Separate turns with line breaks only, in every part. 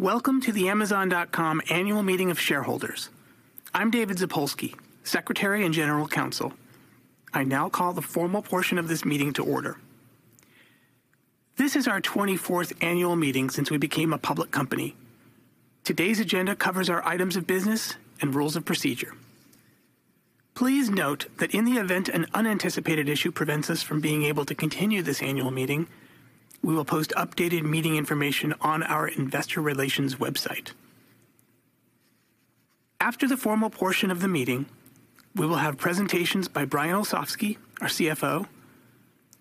Welcome to the Amazon.com Annual Meeting of Shareholders. I'm David Zapolsky, Secretary and General Counsel. I now call the formal portion of this meeting to order. This is our 24th annual meeting since we became a public company. Today's agenda covers our items of business and rules of procedure. Please note that in the event an unanticipated issue prevents us from being able to continue this annual meeting, we will post updated meeting information on our investor relations website. After the formal portion of the meeting, we will have presentations by Brian Olsavsky, our CFO,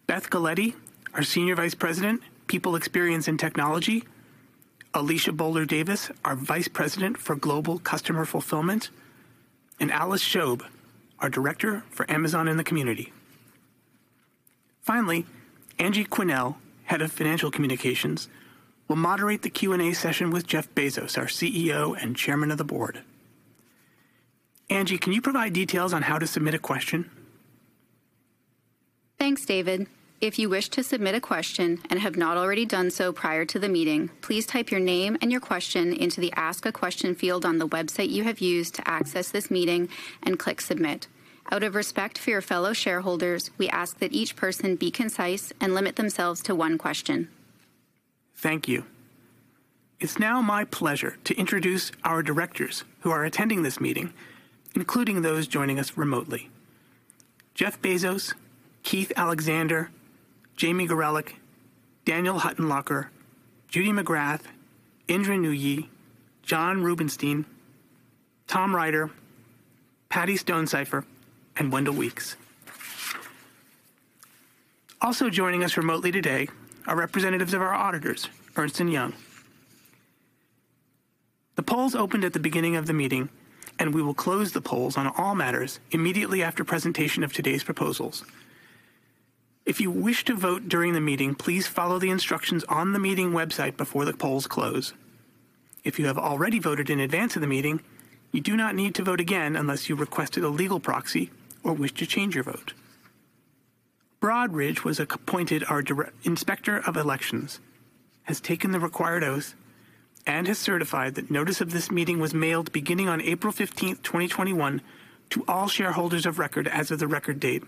Beth Galetti, our Senior Vice President, People Experience and Technology, Alicia Boler Davis, our Vice President for Global Customer Fulfillment, and Alice Shobe, our Director for Amazon in the Community. Finally, Angie Quennell, Head of Financial Communications, will moderate the Q&A session with Jeff Bezos, our CEO and Chairman of the Board. Angie, can you provide details on how to submit a question?
Thanks, David. If you wish to submit a question and have not already done so prior to the meeting, please type your name and your question into the Ask a Question field on the website you have used to access this meeting and click Submit. Out of respect for your fellow shareholders, we ask that each person be concise and limit themselves to one question.
Thank you. It's now my pleasure to introduce our directors who are attending this meeting, including those joining us remotely. Jeff Bezos, Keith Alexander, Jamie Gorelick, Daniel Huttenlocher, Judy McGrath, Indra Nooyi, Jon Rubinstein, Tom Ryder, Patty Stonesifer, and Wendell Weeks. Also joining us remotely today are representatives of our auditors, Ernst & Young. The polls opened at the beginning of the meeting. We will close the polls on all matters immediately after presentation of today's proposals. If you wish to vote during the meeting, please follow the instructions on the meeting website before the polls close. If you have already voted in advance of the meeting, you do not need to vote again unless you requested a legal proxy or wish to change your vote. Broadridge was appointed our inspector of elections, has taken the required oath, and has certified that notice of this meeting was mailed beginning on April 15th, 2021 to all shareholders of record as of the record date,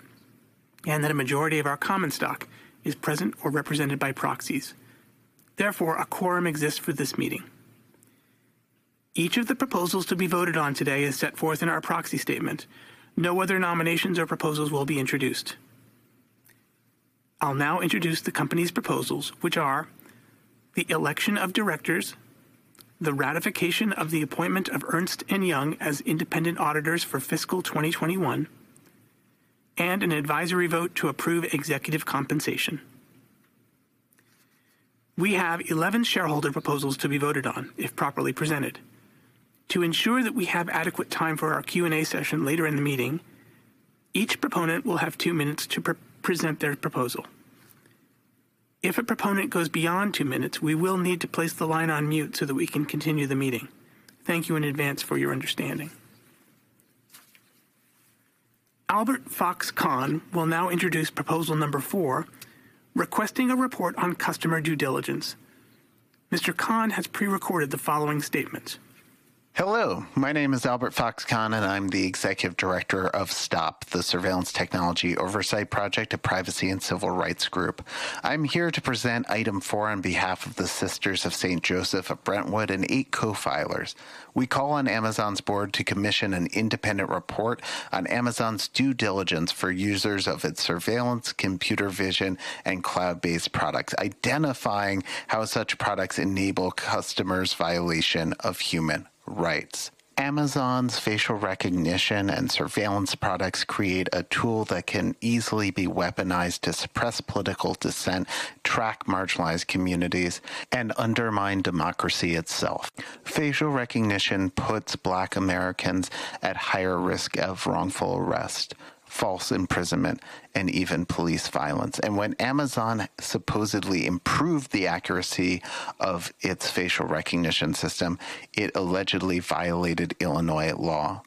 and that a majority of our common stock is present or represented by proxies. Therefore, a quorum exists for this meeting. Each of the proposals to be voted on today is set forth in our proxy statement. No other nominations or proposals will be introduced. I'll now introduce the company's proposals, which are the election of directors, the ratification of the appointment of Ernst & Young as independent auditors for fiscal 2021, and an advisory vote to approve executive compensation. We have 11 shareholder proposals to be voted on if properly presented. To ensure that we have adequate time for our Q&A session later in the meeting, each proponent will have two minutes to pre-present their proposal. If a proponent goes beyond two minutes, we will need to place the line on mute so that we can continue the meeting. Thank you in advance for your understanding. Albert Fox Cahn will now introduce Proposal #4, requesting a report on customer due diligence. Mr. Cahn has pre-recorded the following statement.
Hello, my name is Albert Fox Cahn, and I'm the Executive Director of STOP, the Surveillance Technology Oversight Project, a privacy and civil rights group. I'm here to present item four on behalf of the Sisters of St. Joseph of Brentwood and eight co-filers. We call on Amazon's board to commission an independent report on Amazon's due diligence for users of its surveillance, computer vision, and cloud-based products, identifying how such products enable customers' violation of human rights. Amazon's facial recognition and surveillance products create a tool that can easily be weaponized to suppress political dissent, track marginalized communities, and undermine democracy itself. Facial recognition puts Black Americans at higher risk of wrongful arrest, false imprisonment, and even police violence. When Amazon supposedly improved the accuracy of its facial recognition system, it allegedly violated Illinois law.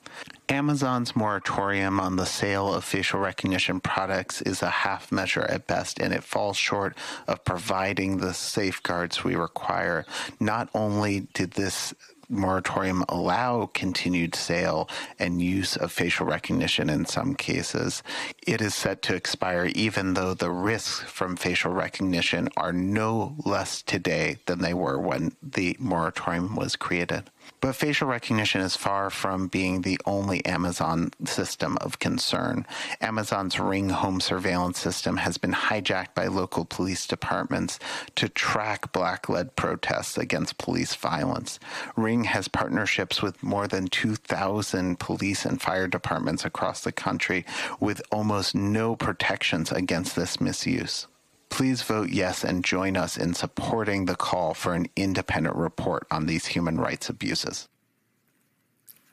Amazon's moratorium on the sale of facial recognition products is a half measure at best, and it falls short of providing the safeguards we require. Not only did this moratorium allow continued sale and use of facial recognition in some cases, it is set to expire even though the risks from facial recognition are no less today than they were when the moratorium was created. Facial recognition is far from being the only Amazon system of concern. Amazon's Ring home surveillance system has been hijacked by local police departments to track Black-led protests against police violence. Ring has partnerships with more than 2,000 police and fire departments across the country, with almost no protections against this misuse. Please vote yes and join us in supporting the call for an independent report on these human rights abuses.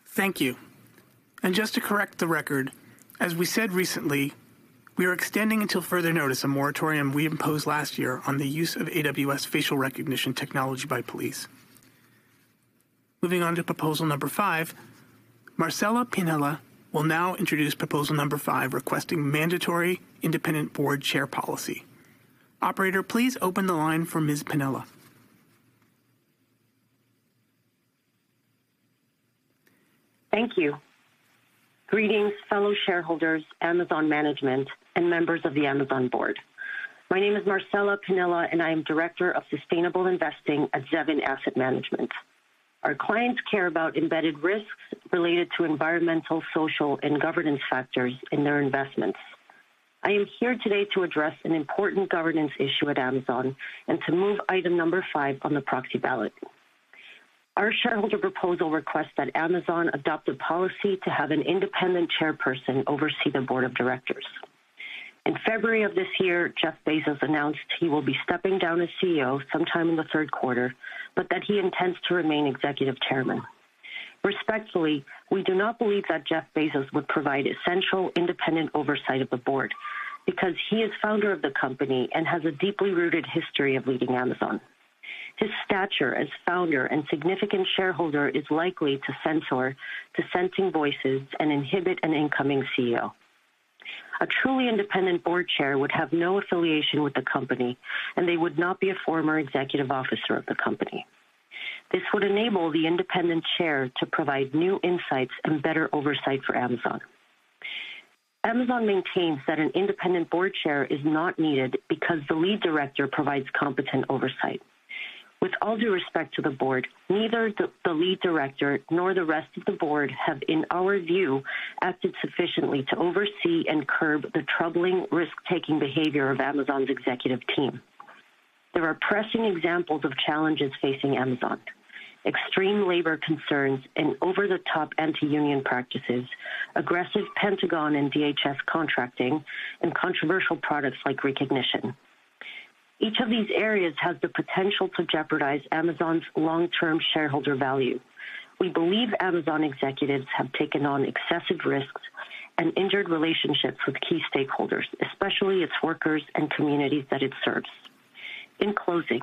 Thank you. Just to correct the record, as we said recently, we are extending until further notice a moratorium we imposed last year on the use of AWS facial recognition technology by police. Moving on to Proposal #5, Marcela Pinilla will now introduce Proposal #5, requesting mandatory Independent Board Chair policy. Operator, please open the line for Ms. Pinilla.
Thank you. Greetings, fellow shareholders, Amazon management, and members of the Amazon board. My name is Marcela Pinilla, and I am Director of Sustainable Investing at Zevin Asset Management. Our clients care about embedded risks related to environmental, social, and governance factors in their investments. I am here today to address an important governance issue at Amazon and to move item number five on the proxy ballot. Our shareholder proposal requests that Amazon adopt a policy to have an independent chairperson oversee the board of directors. In February of this year, Jeff Bezos announced he will be stepping down as CEO sometime in the third quarter, but that he intends to remain Executive Chairman. Respectfully, we do not believe that Jeff Bezos would provide essential independent oversight of the board because he is the founder of the Company and has a deeply rooted history of leading Amazon. His stature as founder and significant shareholder is likely to censor dissenting voices and inhibit an incoming CEO. A truly independent Board Chair would have no affiliation with the company, and they would not be a former executive officer of the Company. This would enable the independent chair to provide new insights and better oversight for Amazon. Amazon maintains that an independent Board Chair is not needed because the lead director provides competent oversight. With all due respect to the board, neither the lead director nor the rest of the board have, in our view, acted sufficiently to oversee and curb the troubling risk-taking behavior of Amazon's executive team. There are pressing examples of challenges facing Amazon: extreme labor concerns and over-the-top anti-union practices, aggressive Pentagon and DHS contracting, and controversial products like Rekognition. Each of these areas has the potential to jeopardize Amazon's long-term shareholder value. We believe Amazon executives have taken on excessive risks and injured relationships with key stakeholders, especially its workers and communities that it serves. In closing,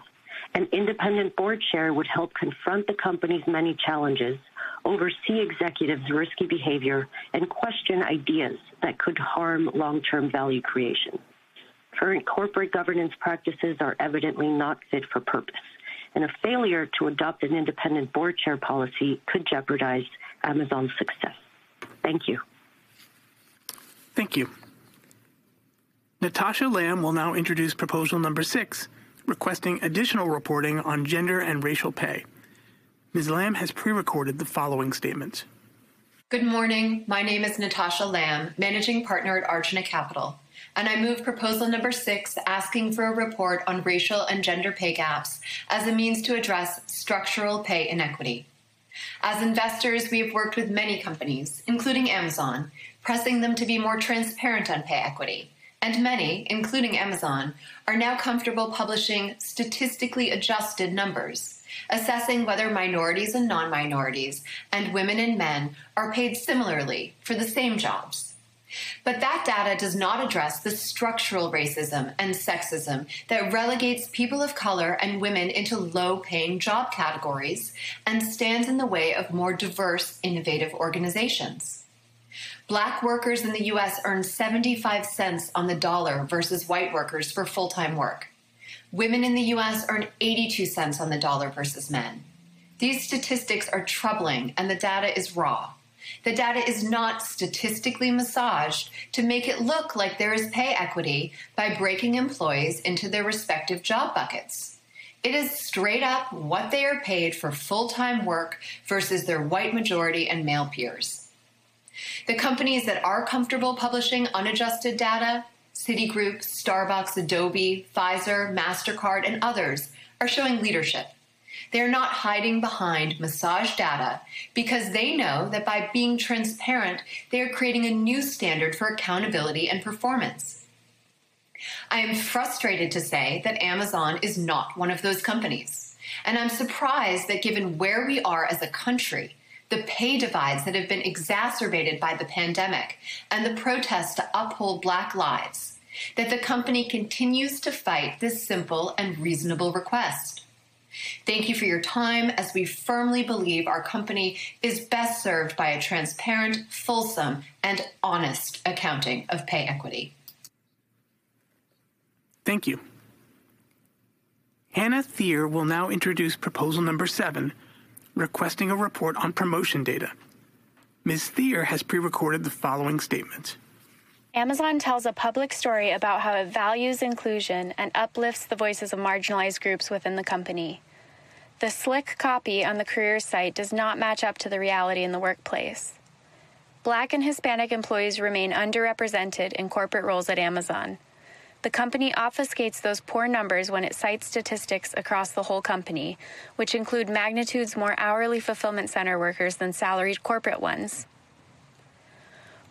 an independent Board Chair would help confront the company's many challenges, oversee executives' risky behavior, and question ideas that could harm long-term value creation. Current corporate governance practices are evidently not fit for purpose, and a failure to adopt an independent board chair policy could jeopardize Amazon's success. Thank you.
Thank you. Natasha Lamb will now introduce Proposal #6, requesting additional reporting on gender and racial pay. Ms. Lamb has pre-recorded the following statement.
Good morning. My name is Natasha Lamb, Managing Partner at Arjuna Capital. I move Proposal #6, asking for a report on racial and gender pay gaps as a means to address structural pay inequity. As investors, we have worked with many companies, including Amazon, pressing them to be more transparent on pay equity. Many, including Amazon, are now comfortable publishing statistically adjusted numbers, assessing whether minorities and non-minorities and women and men are paid similarly for the same jobs. That data does not address the structural racism and sexism that relegate people of color and women to low-paying job categories and stand in the way of more diverse, innovative organizations. Black workers in the U.S. earn $0.75 on the dollar versus white workers for full-time work. Women in the U.S. earn $0.82 on the dollar versus men. These statistics are troubling, and the data is raw. The data is not statistically massaged to make it look like there is pay equity by breaking employees into their respective job buckets. It is straight up what they are paid for full-time work versus their white majority and male peers. The companies that are comfortable publishing unadjusted data, Citigroup, Starbucks, Adobe, Pfizer, Mastercard, and others, are showing leadership. They are not hiding behind massaged data because they know that by being transparent, they are creating a new standard for accountability and performance. I am frustrated to say that Amazon is not one of those companies, and I'm surprised that, given where we are as a country, the pay divides that have been exacerbated by the pandemic and the protests to uphold Black Lives, the company continues to fight this simple and reasonable request. Thank you for your time, as we firmly believe our company is best served by a transparent, fulsome, and honest accounting of pay equity.
Thank you. Hana Thier will now introduce Proposal #7, requesting a report on promotion data. Ms. Thier has pre-recorded the following statement.
Amazon tells a public story about how it values inclusion and uplifts the voices of marginalized groups within the company. The slick copy on the careers site does not match up to the reality in the workplace. Black and Hispanic employees remain underrepresented in corporate roles at Amazon. The company obfuscates those poor numbers when it cites statistics across the whole company, which include magnitudes more hourly fulfillment center workers than salaried corporate ones.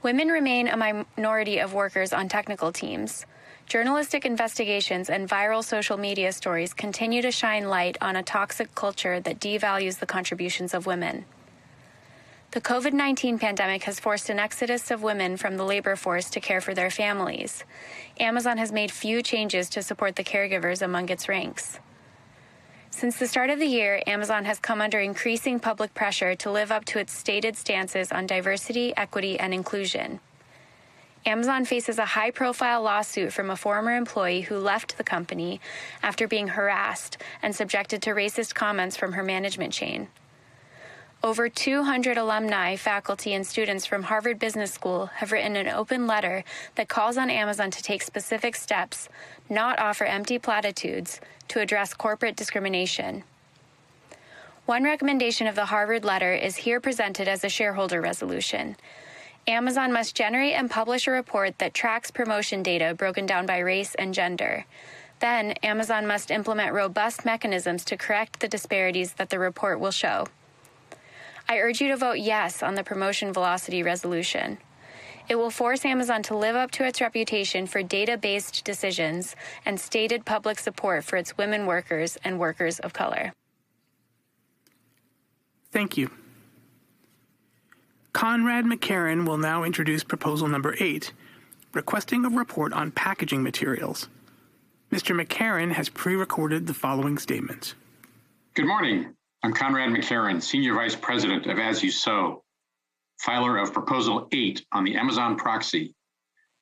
Women remain a minority of workers on technical teams. Journalistic investigations and viral social media stories continue to shine light on a toxic culture that devalues the contributions of women. The COVID-19 pandemic has forced an exodus of women from the labor force to care for their families. Amazon has made a few changes to support the caregivers among its ranks. Since the start of the year, Amazon has come under increasing public pressure to live up to its stated stances on diversity, equity, and inclusion. Amazon faces a high-profile lawsuit from a former employee who left the company after being harassed and subjected to racist comments from her management chain. Over 200 alumni, faculty, and students from Harvard Business School have written an open letter that calls on Amazon to take specific steps, not offer empty platitudes, to address corporate discrimination. One recommendation of the Harvard letter is here presented as a shareholder resolution. Amazon must generate and publish a report that tracks promotion data broken down by race and gender. Amazon must implement robust mechanisms to correct the disparities that the report will show. I urge you to vote yes on the promotion velocity resolution. It will force Amazon to live up to its reputation for data-based decisions and stated public support for its women workers and workers of color.
Thank you. Conrad MacKerron will now introduce Proposal #8, requesting a report on packaging materials. Mr. MacKerron has pre-recorded the following statement.
Good morning. I'm Conrad MacKerron, Senior Vice President of As You Sow, filer of Proposal 8 on the Amazon proxy.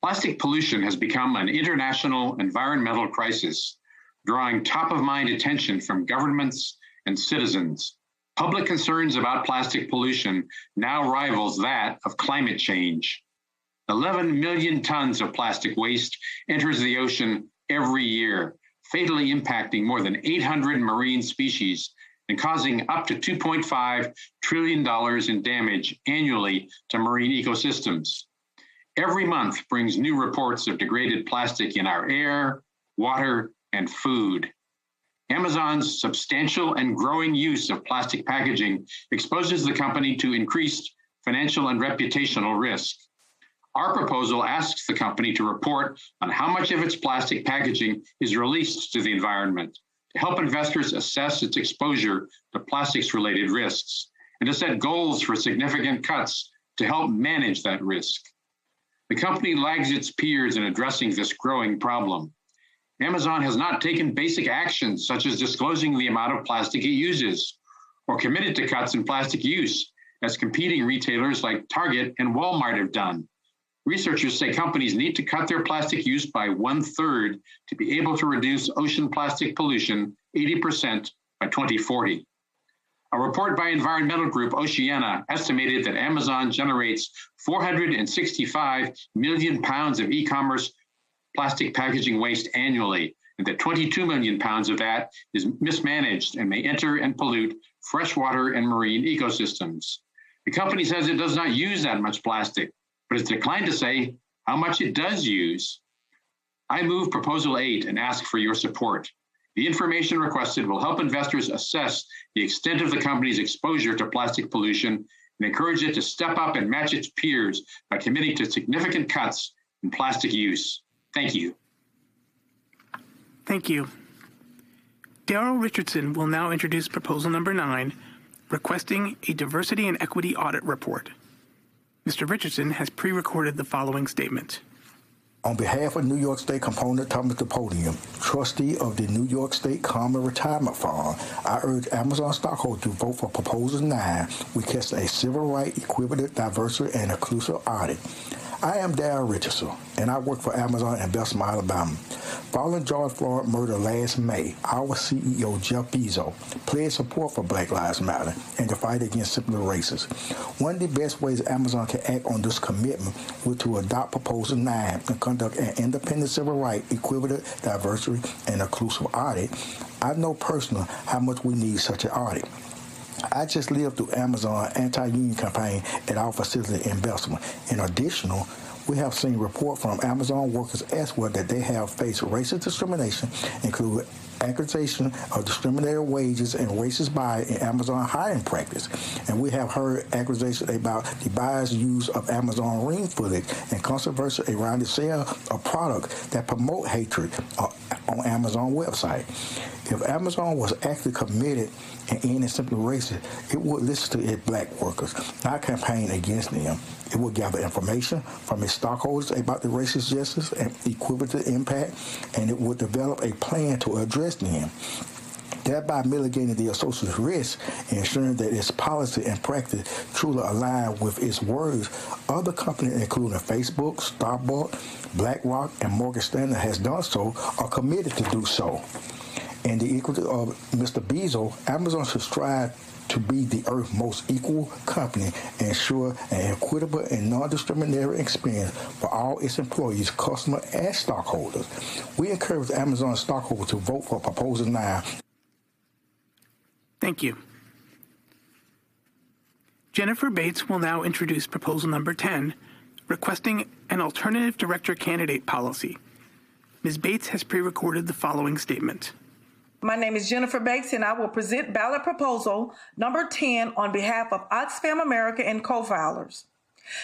Plastic pollution has become an international environmental crisis, drawing top-of-mind attention from governments and citizens. Public concerns about plastic pollution now rivals that of climate change. 11 million tons of plastic waste enter the ocean every year, fatally impacting more than 800 marine species and causing up to $2.5 trillion in damage annually to marine ecosystems. Every month brings new reports of degraded plastic in our air, water, and food. Amazon's substantial and growing use of plastic packaging exposes the company to increased financial and reputational risk. Our proposal asks the company to report on how much of its plastic packaging is released to the environment to help investors assess its exposure to plastics-related risks and to set goals for significant cuts to help manage that risk. The company lags its peers in addressing this growing problem. Amazon has not taken basic actions such as disclosing the amount of plastic it uses or committed to cuts in plastic use as competing retailers like Target and Walmart have done. Researchers say companies need to cut their plastic use by 1/3 to be able to reduce ocean plastic pollution 80% by 2040. A report by environmental group Oceana estimated that Amazon generates 465 million pounds of e-commerce plastic packaging waste annually, and that 22 million pounds of that is mismanaged and may enter and pollute freshwater and marine ecosystems. The company says it does not use that much plastic, but it's declined to say how much it does use. I move Proposal 8 and ask for your support. The information requested will help investors assess the extent of the company's exposure to plastic pollution and encourage it to step up and match its peers by committing to significant cuts in plastic use. Thank you.
Thank you. Darryl Richardson will now introduce Proposal #9, requesting a diversity and equity audit report. Mr. Richardson has pre-recorded the following statement.
On behalf of New York State Common Retirement Fund, trustee of the New York State Common Retirement Fund, I urge Amazon stockholders to vote for Proposal 9, which is a civil right, equitable, diversity, and inclusive audit. I am Darryl Richardson. I work for Amazon in Alabama. Following George Floyd murder last May, our CEO, Jeff Bezos, pledged support for Black Lives Matter and to fight against systemic racism. One of the best ways Amazon can act on this commitment would to adopt Proposal 9 to conduct an independent civil right, equitable, diversity, and inclusive audit. I know personally how much we need such an audit. I just lived through Amazon anti-union campaign at our facility in Bessemer. In addition, we have seen report from Amazon workers as well that they have faced racist discrimination, including accusation of discriminatory wages and racist bias in Amazon's hiring practice. We have heard accusations about the biased use of Amazon Ring footage and controversy around the sale of product that promote hatred on Amazon website. If Amazon was actually committed to ending systemic racism, it would listen to its Black workers, not campaign against them. It would gather information from its stockholders about the racial justice and equitable impact, and it would develop a plan to address them, thereby mitigating the associated risk and ensuring that its policy and practice truly align with its words. Other companies, including Facebook, Starbucks, BlackRock, and Morgan Stanley, has done so or committed to do so. In the equity of Mr. Bezos, Amazon should strive to be the Earth's most equal company, ensure an equitable and non-discriminatory experience for all its employees, customers, and stockholders. We encourage Amazon stockholders to vote for Proposal 9.
Thank you. Jennifer Bates will now introduce Proposal #10, requesting an alternative director candidate policy. Ms. Bates has pre-recorded the following statement.
My name is Jennifer Bates, and I will present ballot Proposal #10 on behalf of Oxfam America and co-filers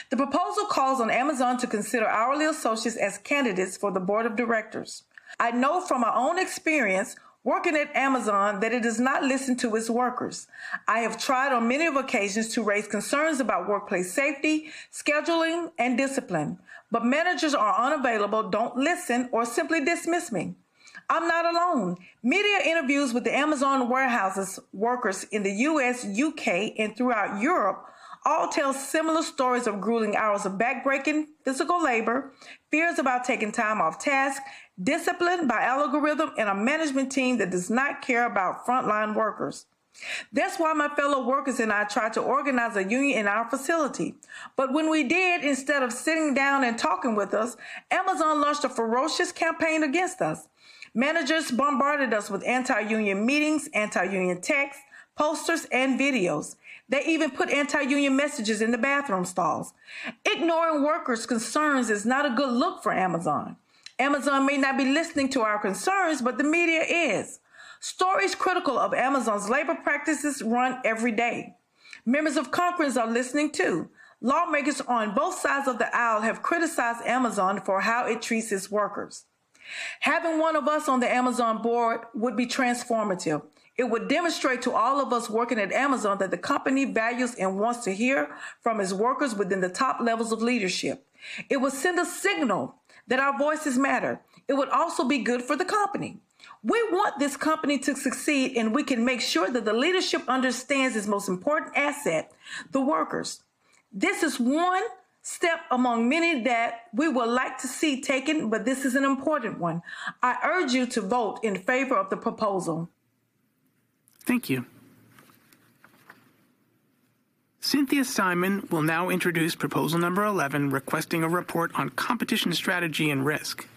The proposal calls on Amazon to consider hourly associates as candidates for the board of directors. I know from my own experience working at Amazon that it does not listen to its workers. I have tried on many of occasions to raise concerns about workplace safety, scheduling, and discipline, but managers are unavailable, don't listen, or simply dismiss me. I'm not alone. Media interviews with the Amazon warehouses workers in the U.S., U.K., and throughout Europe all tell similar stories of grueling hours of back-breaking physical labor, fears about taking time off task, discipline by algorithm, and a management team that does not care about frontline workers. That's why my fellow workers and I tried to organize a union in our facility. When we did, instead of sitting down and talking with us, Amazon launched a ferocious campaign against us. Managers bombarded us with anti-union meetings, anti-union texts, posters, and videos. They even put anti-union messages in the bathroom stalls. Ignoring workers' concerns is not a good look for Amazon. Amazon may not be listening to our concerns, but the media is. Stories critical of Amazon's labor practices run every day. Members of Congress are listening, too. Lawmakers on both sides of the aisle have criticized Amazon for how it treats its workers. Having one of us on the Amazon board would be transformative. It would demonstrate to all of us working at Amazon that the company values and wants to hear from its workers within the top levels of leadership. It would send a signal that our voices matter. It would also be good for the company. We want this company to succeed, and we can make sure that the leadership understands its most important asset, the workers. This is one step among many that we would like to see taken, but this is an important one. I urge you to vote in favor of the proposal.
Thank you. Cynthia Simon will now introduce Proposal #11, requesting a report on competition strategy and risk.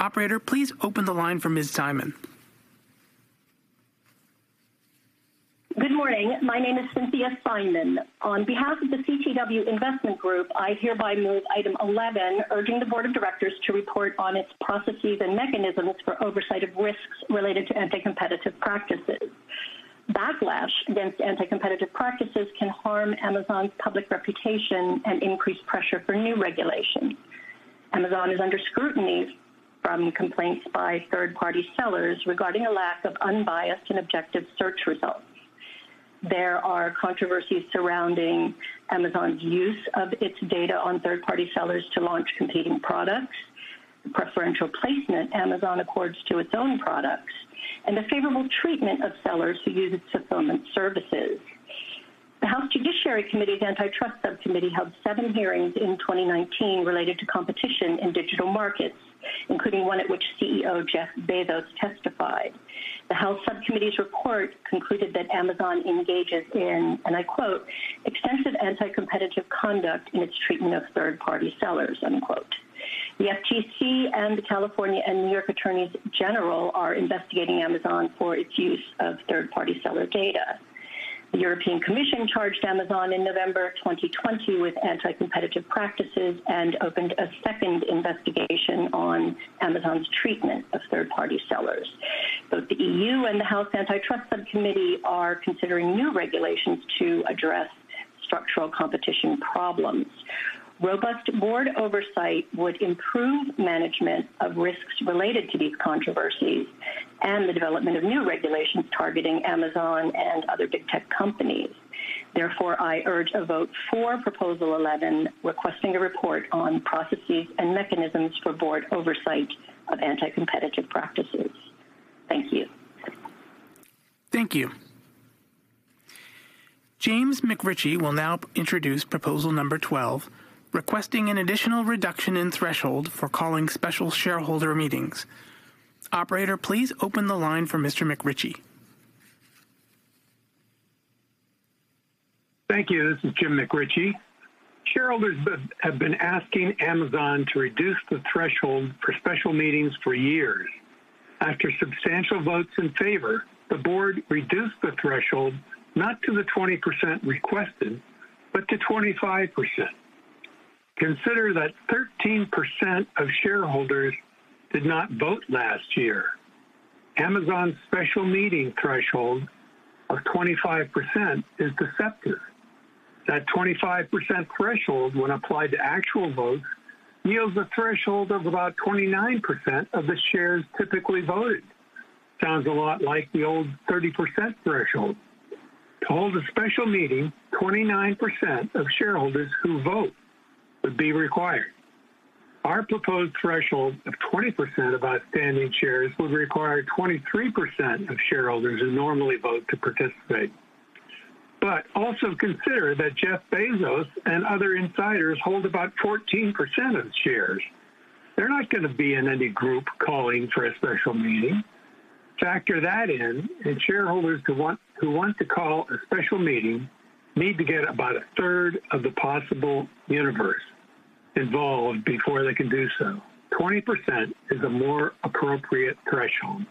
Operator, please open the line for Ms. Simon.
Good morning. My name is Cynthia Simon. On behalf of the CtW Investment Group, I hereby move item 11, urging the board of directors to report on its processes and mechanisms for oversight of risks related to anti-competitive practices. Backlash against anti-competitive practices can harm Amazon's public reputation and increase pressure for new regulations. Amazon is under scrutiny from complaints by third-party sellers regarding a lack of unbiased and objective search results. There are controversies surrounding Amazon's use of its data on third-party sellers to launch competing products, the preferential placement Amazon accords to its own products, and the favorable treatment of sellers who use its fulfillment services. The House Judiciary Committee's Antitrust Subcommittee held seven hearings in 2019 related to competition in digital market, including one at which CEO Jeff Bezos testified. The House Subcommittee's report concluded that Amazon engages in, and I quote, "extensive anti-competitive conduct in its treatment of third-party sellers." End quote. The FTC and the California and New York Attorneys General are investigating Amazon for its use of third-party seller data. The European Commission charged Amazon in November 2020 with anti-competitive practices and opened a second investigation on Amazon's treatment of third-party sellers. Both the EU and the House Antitrust Subcommittee are considering new regulations to address structural competition problems. Robust board oversight would improve management of risks related to these controversies and the development of new regulations targeting Amazon and other big tech companies. I urge a vote for Proposal 11, requesting a report on processes and mechanisms for board oversight of anti-competitive practices. Thank you.
Thank you. James McRitchie will now introduce Proposal #12, requesting an additional reduction in threshold for calling special shareholder meetings. Operator, please open the line for Mr. McRitchie.
Thank you. This is James McRitchie. Shareholders have been asking Amazon to reduce the threshold for special meetings for years. After substantial votes in favor, the board reduced the threshold, not to the 20% requested, but to 25%. Consider that 13% of shareholders did not vote last year. Amazon's special meeting threshold of 25% is deceptive. That 25% threshold, when applied to actual votes, yields a threshold of about 29% of the shares typically voted. Sounds a lot like the old 30% threshold. To hold a special meeting, 29% of shareholders who vote would be required. Our proposed threshold of 20% of outstanding shares would require 23% of shareholders who normally vote to participate. Also consider that Jeff Bezos and other insiders hold about 14% of the shares. They're not gonna be in any group calling for a special meeting. Factor that in. Shareholders who want to call a special meeting need to get about a third of the possible universe involved before they can do so. 20% is a more appropriate threshold.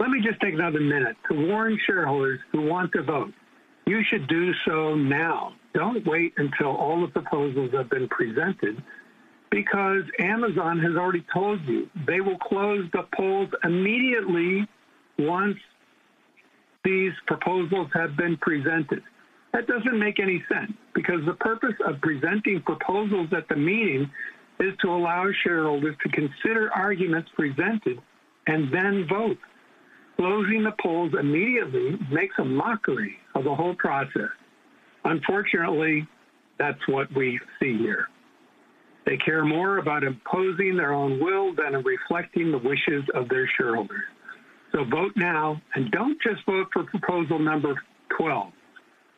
Let me just take another minute to warn shareholders who want to vote. You should do so now. Don't wait until all the proposals have been presented. Amazon has already told you they will close the polls immediately once these proposals have been presented. That doesn't make any sense. The purpose of presenting proposals at the meeting is to allow shareholders to consider arguments presented and then vote. Closing the polls immediately makes a mockery of the whole process. Unfortunately, that's what we see here. They care more about imposing their own will than in reflecting the wishes of their shareholders. Vote now and don't just vote for Proposal #12.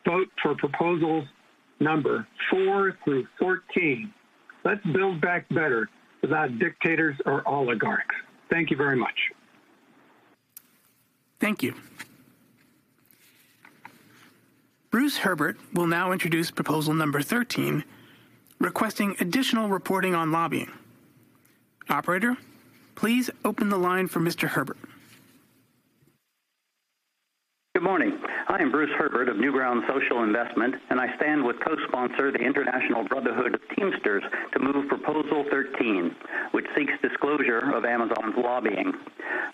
Vote for Proposal #4 through 14. Let's build back better without dictators or oligarchs. Thank you very much.
Thank you. Bruce Herbert will now introduce Proposal #13, requesting additional reporting on lobbying. Operator, please open the line for Mr. Herbert.
Good morning. I am Bruce Herbert of Newground Social Investment. I stand with co-sponsor, the International Brotherhood of Teamsters, to move Proposal 13, which seeks disclosure of Amazon's lobbying.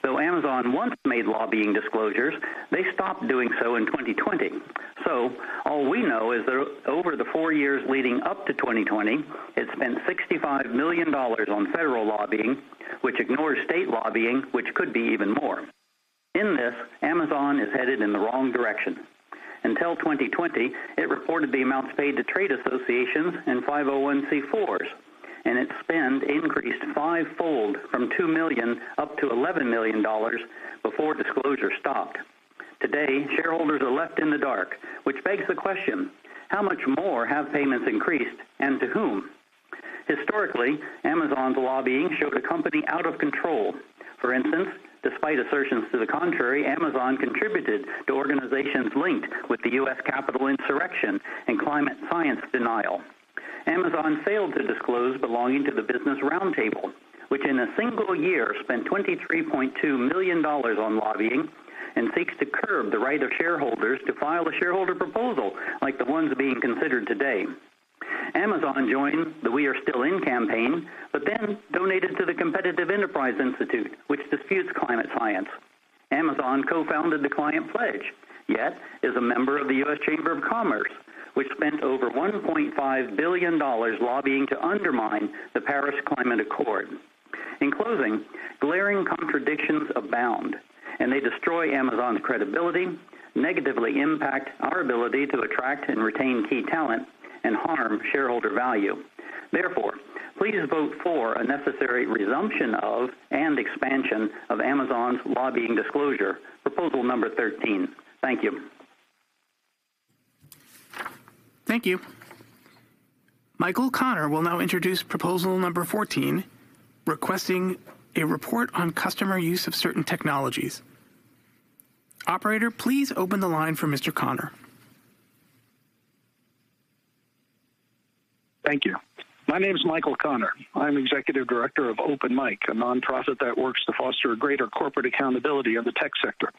Though Amazon once made lobbying disclosures, they stopped doing so in 2020. All we know is that over the four years leading up to 2020, it spent $65 million on federal lobbying, which ignores state lobbying, which could be even more. In this, Amazon is headed in the wrong direction. Until 2020, it reported the amounts paid to trade associations and 501(c)(4)s. Its spend increased fivefold from $2 million up to $11 million before disclosure stopped. Today, shareholders are left in the dark, which begs the question, how much more have payments increased, and to whom? Historically, Amazon's lobbying showed a company out of control. For instance, despite assertions to the contrary, Amazon contributed to organizations linked with the U.S. Capitol insurrection and climate science denial. Amazon failed to disclose belonging to the Business Roundtable, which, in a single year, spent $23.2 million on lobbying and seeks to curb the right of shareholders to file a shareholder proposal like the ones being considered today. Amazon joined the We Are Still In campaign, then donated to the Competitive Enterprise Institute, which disputes climate science. Amazon co-founded The Climate Pledge, is a member of the U.S. Chamber of Commerce, which spent over $1.5 billion lobbying to undermine the Paris Agreement. In closing, glaring contradictions abound, they destroy Amazon's credibility, negatively impact our ability to attract and retain key talent, and harm shareholder value. Please vote for a necessary resumption of and expansion of Amazon's lobbying disclosure, Proposal #13. Thank you.
Thank you. Michael Connor will now introduce Proposal #14, requesting a report on customer use of certain technologies. Operator, please open the line for Mr. Connor.
Thank you. My name is Michael Connor. I am Executive Director of Open MIC, a nonprofit that works to foster greater corporate accountability of the tech sector.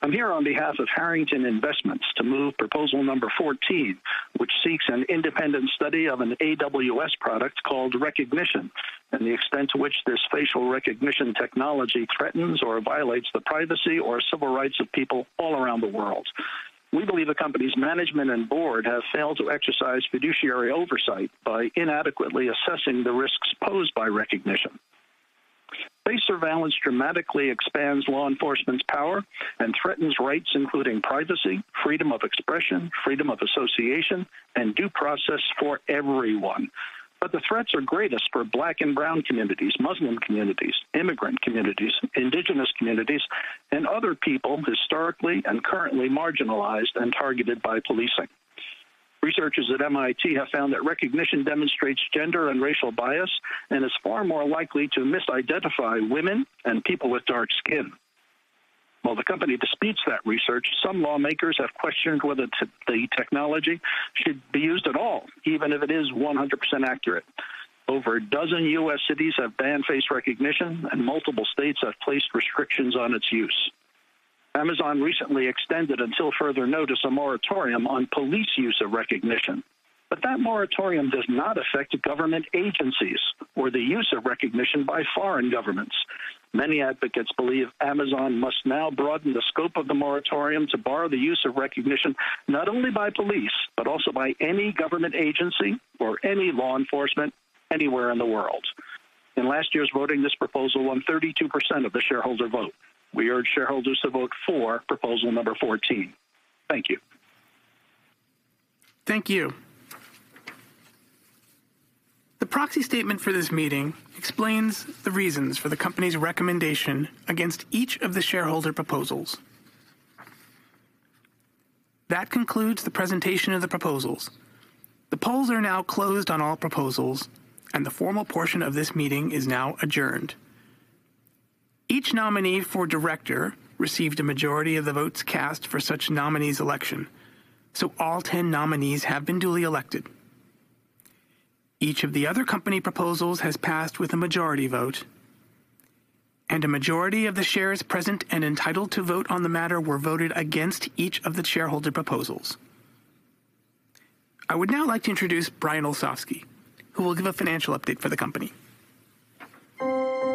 I am here on behalf of Harrington Investments to move Proposal #14, which seeks an independent study of an AWS product called Rekognition and the extent to which this facial recognition technology threatens or violates the privacy or civil rights of people all around the world. We believe the company's management and board have failed to exercise fiduciary oversight by inadequately assessing the risks posed by Rekognition. Face surveillance dramatically expands law enforcement's power and threatens rights, including privacy, freedom of expression, freedom of association, and due process for everyone. The threats are greatest for Black and brown communities, Muslim communities, immigrant communities, Indigenous communities, and other people historically and currently marginalized and targeted by policing. Researchers at MIT have found that recognition demonstrates gender and racial bias and is far more likely to misidentify women and people with dark skin. While the company disputes that research, some lawmakers have questioned whether the technology should be used at all, even if it is 100% accurate. Over a dozen U.S. cities have banned face recognition, and multiple states have placed restrictions on its use. Amazon recently extended, until further notice, a moratorium on police use of recognition, but that moratorium does not affect government agencies or the use of recognition by foreign governments. Many advocates believe Amazon must now broaden the scope of the moratorium to bar the use of recognition not only by police, but also by any government agency or any law enforcement anywhere in the world. In last year's voting, this proposal won 32% of the shareholder vote. We urge shareholders to vote for Proposal #14. Thank you.
Thank you. The proxy statement for this meeting explains the reasons for the company's recommendation against each of the shareholder proposals. That concludes the presentation of the proposals. The polls are now closed on all proposals, and the formal portion of this meeting is now adjourned. Each nominee for director received a majority of the votes cast for such nominee's election, so all 10 nominees have been duly elected. Each of the other Company proposals has passed with a majority vote, and a majority of the shares present and entitled to vote on the matter were voted against each of the shareholder proposals. I would now like to introduce Brian Olsavsky, who will give a financial update for the company.
I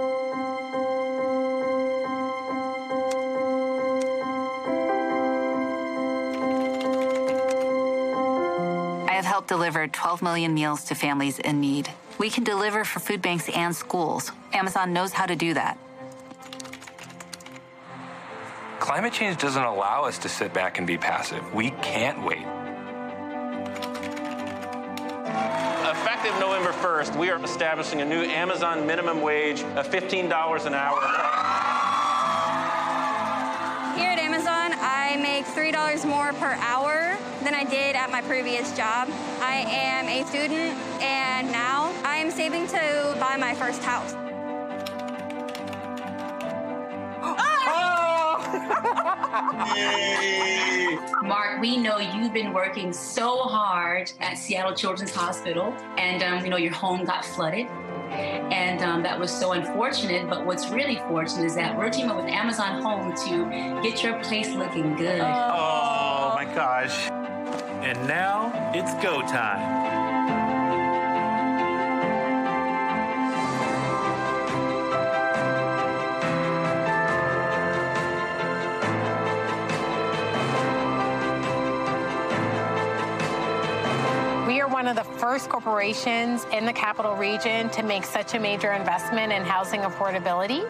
have helped deliver 12 million meals to families in need. We can deliver for food banks and schools. Amazon knows how to do that. Climate change doesn't allow us to sit back and be passive. We can't wait. Effective November 1st, we are establishing a new Amazon minimum wage of $15 an hour. Here at Amazon, I make $3 more per hour than I did at my previous job. I am a student, and now I'm saving to buy my first house. Oh! Oh. Yay. Mark, we know you've been working so hard at Seattle Children's Hospital, you know, your home got flooded. That was so unfortunate, but what's really fortunate is that we're teaming up with Amazon Home Services to get your place looking good. Oh, my gosh. Now it's go time. We are one of the first corporations in the Capital Region to make such a major investment in housing affordability.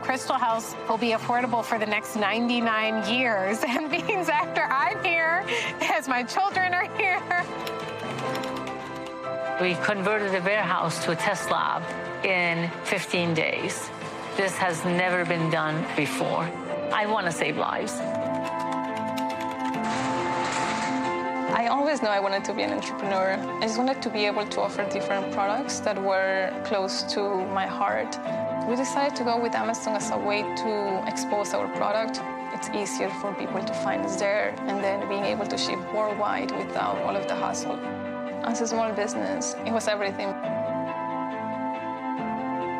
Crystal House will be affordable for the next 99 years. Means after I'm here, as my children are here. We converted a warehouse to a test lab in 15 days. This has never been done before. I wanna save lives. I always knew I wanted to be an entrepreneur. I just wanted to be able to offer different products that were close to my heart. We decided to go with Amazon as a way to expose our product. It is easier for people to find us there, and then being able to ship worldwide without all of the hassle. As a small business, it was everything.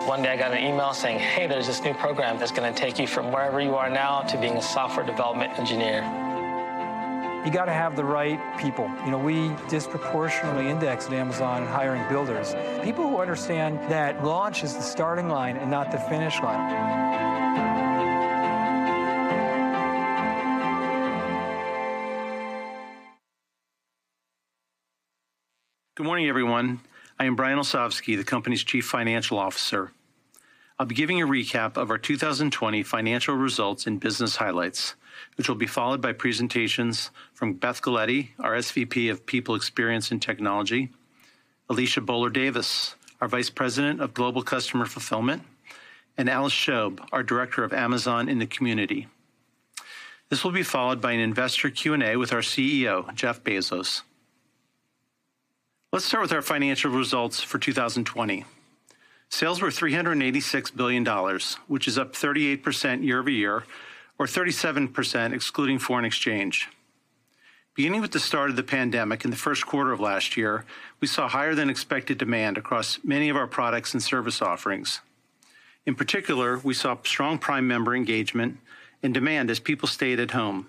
One day, I got an email saying, "Hey, there's this new program that's gonna take you from wherever you are now to being a software development engineer. You gotta have the right people. You know, we disproportionately indexed Amazon in hiring builders. People who understand that launch is the starting line and not the finish line.
Good morning, everyone. I am Brian Olsavsky, the company's Chief Financial Officer. I'll be giving a recap of our 2020 financial results and business highlights, which will be followed by presentations from Beth Galetti, our SVP of People Experience and Technology, Alicia Boler Davis, our Vice President of Global Customer Fulfillment, and Alice Shobe, our Director of Amazon in the Community. This will be followed by an investor Q&A with our CEO, Jeff Bezos. Let's start with our financial results for 2020. Sales were $386 billion, which is up 38% year-over-year, or 37% excluding foreign exchange. Beginning with the start of the pandemic in the first quarter of last year, we saw higher-than-expected demand across many of our products and service offerings. In particular, we saw strong Prime member engagement and demand as people stayed at home.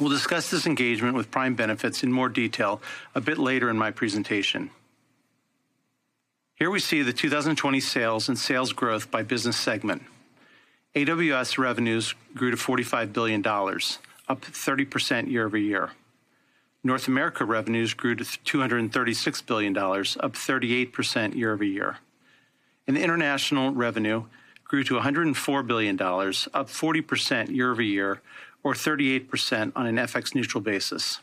We'll discuss this engagement with Prime benefits in more detail a bit later in my presentation. Here we see the 2020 sales and sales growth by business segment. AWS revenues grew to $45 billion, up 30% year-over-year. North America revenues grew to $236 billion, up 38% year-over-year. International revenue grew to $104 billion, up 40% year-over-year, or 38% on an FX-neutral basis.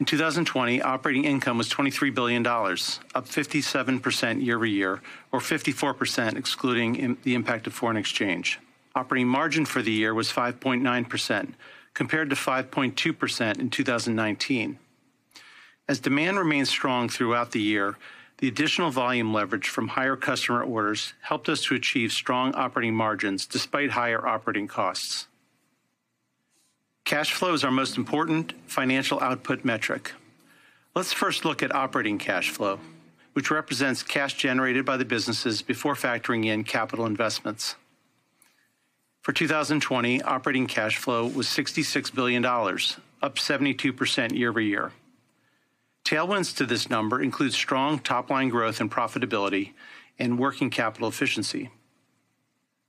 In 2020, operating income was $23 billion, up 57% year-over-year, or 54% excluding the impact of foreign exchange. Operating margin for the year was 5.9%, compared to 5.2% in 2019. As demand remained strong throughout the year, the additional volume leverage from higher customer orders helped us to achieve strong operating margins despite higher operating costs. Cash flow is our most important financial output metric. Let's first look at operating cash flow, which represents cash generated by the businesses before factoring in capital investments. For 2020, operating cash flow was $66 billion, up 72% year-over-year. Tailwinds to this number include strong top-line growth and profitability, and working capital efficiency.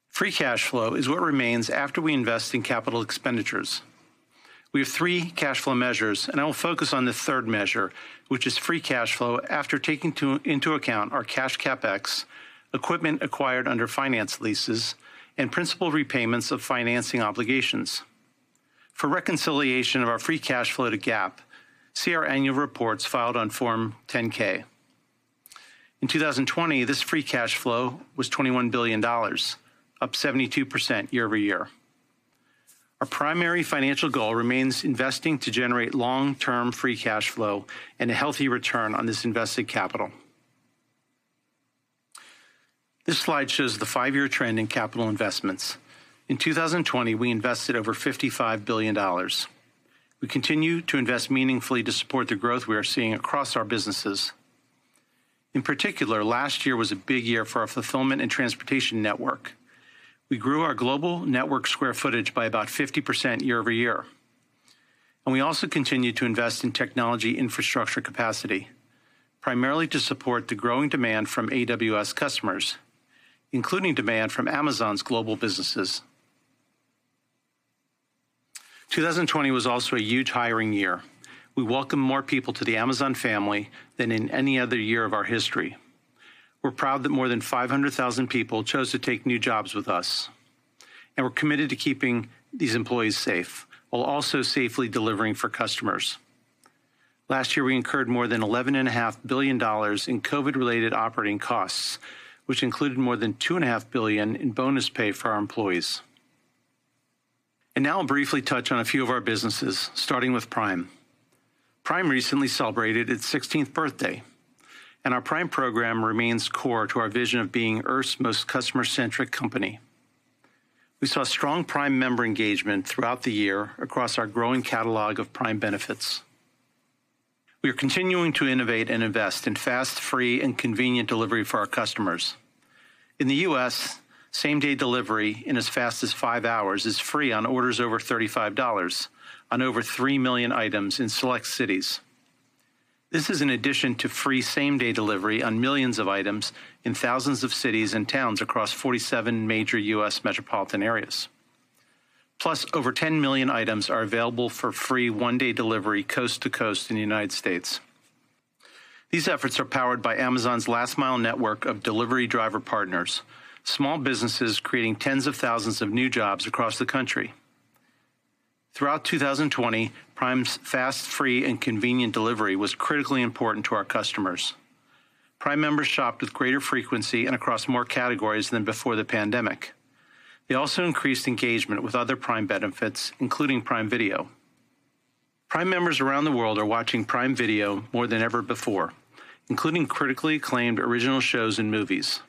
Free cash flow is what remains after we invest in capital expenditures. We have three cash flow measures, and I will focus on the third measure, which is free cash flow after taking into account our cash CapEx, equipment acquired under finance leases, and principal repayments of financing obligations. For reconciliation of our free cash flow to GAAP, see our annual reports filed on Form 10-K. In 2020, this free cash flow was $21 billion, up 72% year-over-year. Our primary financial goal remains investing to generate long-term free cash flow and a healthy return on this invested capital. This slide shows the five-year trend in capital investments. In 2020, we invested over $55 billion. We continue to invest meaningfully to support the growth we are seeing across our businesses. In particular, last year was a big year for our fulfillment and transportation network. We grew our global network square footage by about 50% year-over-year. We also continue to invest in technology infrastructure capacity, primarily to support the growing demand from AWS customers, including demand from Amazon's global businesses. 2020 was also a huge hiring year. We welcomed more people to the Amazon family than in any other year of our history. We're proud that more than 500,000 people chose to take new jobs with us, and we're committed to keeping these employees safe while also safely delivering for customers. Last year, we incurred more than $11.5 billion in COVID-related operating costs, which included more than $2.5 billion In bonus pay for our employees. Now I'll briefly touch on a few of our businesses, starting with Prime. Prime recently celebrated its 16th birthday, and our Prime program remains core to our vision of being Earth's most customer-centric company. We saw strong Prime member engagement throughout the year across our growing catalog of Prime benefits. We are continuing to innovate and invest in fast, free, and convenient delivery for our customers. In the U.S., same-day delivery in as fast as five hours is free on orders over $35 on over 3 million items in select cities. This is in addition to free same-day delivery on millions of items in thousands of cities and towns across 47 major U.S. metropolitan areas. Plus, over 10 million items are available for free one-day delivery coast-to-coast in the United States. These efforts are powered by Amazon's last-mile network of delivery driver partners, small businesses creating tens of thousands of new jobs across the country. Throughout 2020, Prime's fast, free, and convenient delivery was critically important to our customers. Prime members shopped with greater frequency and across more categories than before the pandemic. They also increased engagement with other Prime benefits, including Prime Video. Prime members around the world are watching Prime Video more than ever before, including critically acclaimed original shows and movies.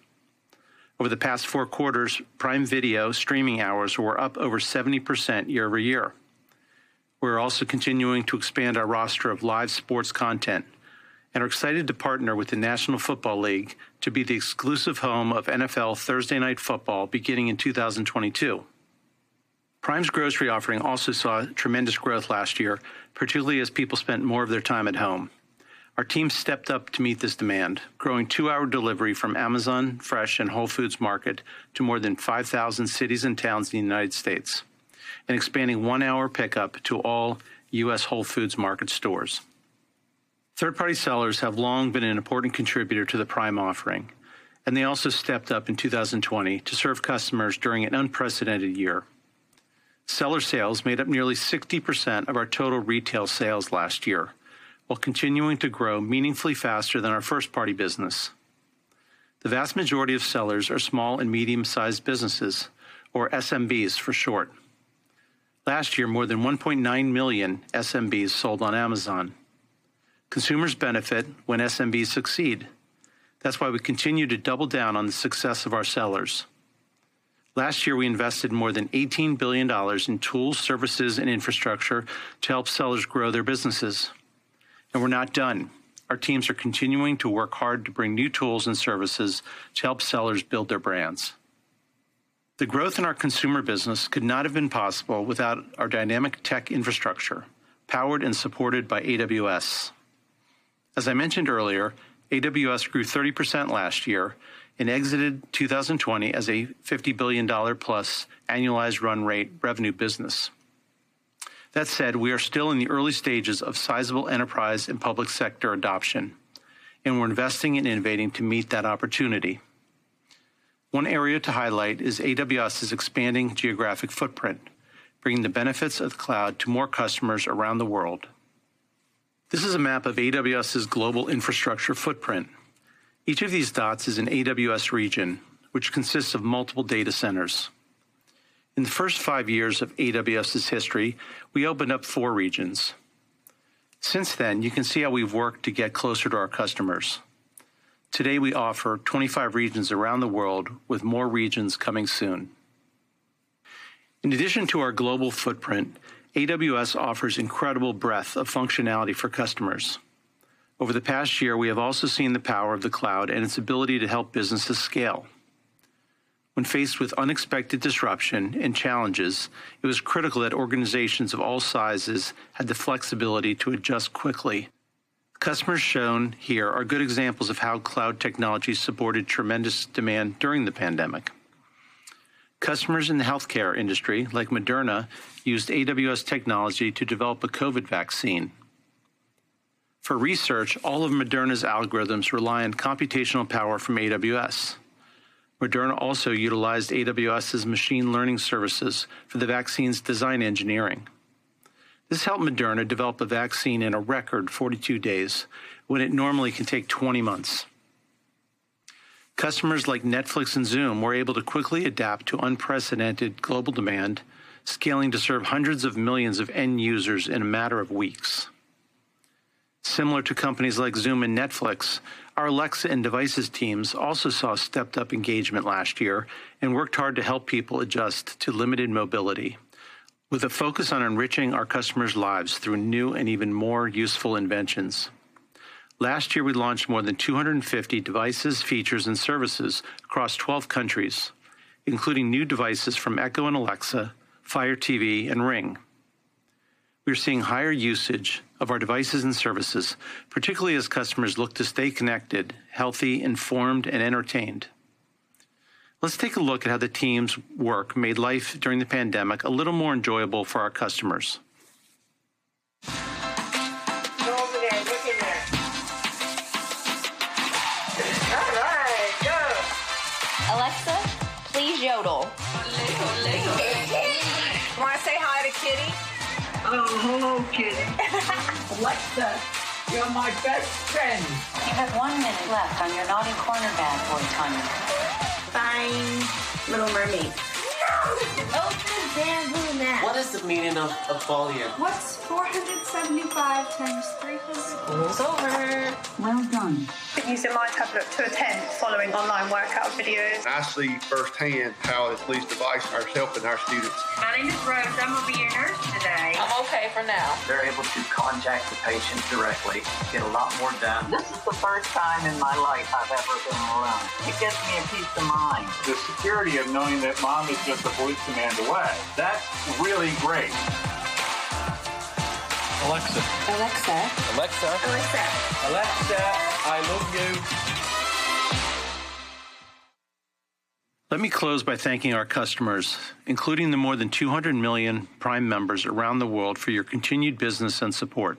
Over the past four quarters, Prime Video streaming hours were up over 70% year-over-year. We're also continuing to expand our roster of live sports content and are excited to partner with the National Football League to be the exclusive home of NFL Thursday Night Football beginning in 2022. Prime's grocery offering also saw tremendous growth last year, particularly as people spent more of their time at home. Our team stepped up to meet this demand, growing two-hour delivery from Amazon Fresh and Whole Foods Market to more than 5,000 cities and towns in the U.S. and expanding one-hour pickup to all U.S. Whole Foods Market stores. Third-party sellers have long been an important contributor to the Prime offering, and they also stepped up in 2020 to serve customers during an unprecedented year. Seller sales made up nearly 60% of our total retail sales last year, while continuing to grow meaningfully faster than our first-party business. The vast majority of sellers are small and medium-sized businesses, or SMBs for short. Last year, more than 1.9 million SMBs sold on Amazon. Consumers benefit when SMBs succeed. That's why we continue to double down on the success of our sellers. Last year, we invested more than $18 billion in tools, services, and infrastructure to help sellers grow their businesses, and we're not done. Our teams are continuing to work hard to bring new tools and services to help sellers build their brands. The growth in our consumer business could not have been possible without our dynamic tech infrastructure, powered and supported by AWS. As I mentioned earlier, AWS grew 30% last year and exited 2020 as a $50 billion-plus annualized run rate revenue business. That said, we are still in the early stages of sizable enterprise and public sector adoption, and we're investing and innovating to meet that opportunity. One area to highlight is AWS's expanding geographic footprint, bringing the benefits of the cloud to more customers around the world. This is a map of AWS's global infrastructure footprint. Each of these dots is an AWS region, which consists of multiple data centers. In the first five years of AWS's history, we opened up four regions. Since then, you can see how we've worked to get closer to our customers. Today, we offer 25 regions around the world, with more regions coming soon. In addition to our global footprint, AWS offers incredible breadth of functionality for customers. Over the past year, we have also seen the power of the cloud and its ability to help businesses scale. When faced with unexpected disruption and challenges, it was critical that organizations of all sizes had the flexibility to adjust quickly. Customers shown here are good examples of how cloud technology supported tremendous demand during the pandemic. Customers in the healthcare industry, like Moderna, used AWS technology to develop a COVID vaccine. For research, all of Moderna's algorithms rely on computational power from AWS. Moderna also utilized AWS's machine learning services for the vaccine's design engineering. This helped Moderna develop the vaccine in a record 42 days when it normally can take 20 months. Customers like Netflix and Zoom were able to quickly adapt to unprecedented global demand, scaling to serve hundreds of millions of end users in a matter of weeks. Similar to companies like Zoom and Netflix, our Alexa and Devices teams also saw stepped-up engagement last year and worked hard to help people adjust to limited mobility with a focus on enriching our customers' lives through new and even more useful inventions. Last year, we launched more than 250 devices, features, and services across 12 countries, including new devices from Echo and Alexa, Fire TV, and Ring. We're seeing higher usage of our devices and services, particularly as customers look to stay connected, healthy, informed, and entertained. Let's take a look at how the team's work made life during the pandemic a little more enjoyable for our customers.
Go over there and look in there. All right. Go. Alexa, please yodel. Kitty, kitty. Wanna say hi to Kitty? Oh, hello, Kitty. Alexa, you're my best friend. You have one minute left on your naughty corner ban, boy Tony. Find Little Mermaid. No. Open Bamboo Math. What is the meaning of apogees? What's 475 times 300? School's over. Well done. Been using my tablet to attend following online workout videos. I see firsthand how this device is helping our students. My name is Rose. I'm gonna be your nurse today. I'm okay for now. They're able to contact the patient directly, get a lot more done. This is the first time in my life I've ever been alone. It gives me a peace of mind. The security of knowing that mom is just a voice command away, that's really great. Alexa. Alexa. Alexa. Alexa. Alexa, I love you.
Let me close by thanking our customers, including the more than 200 million Prime members around the world, for your continued business and support.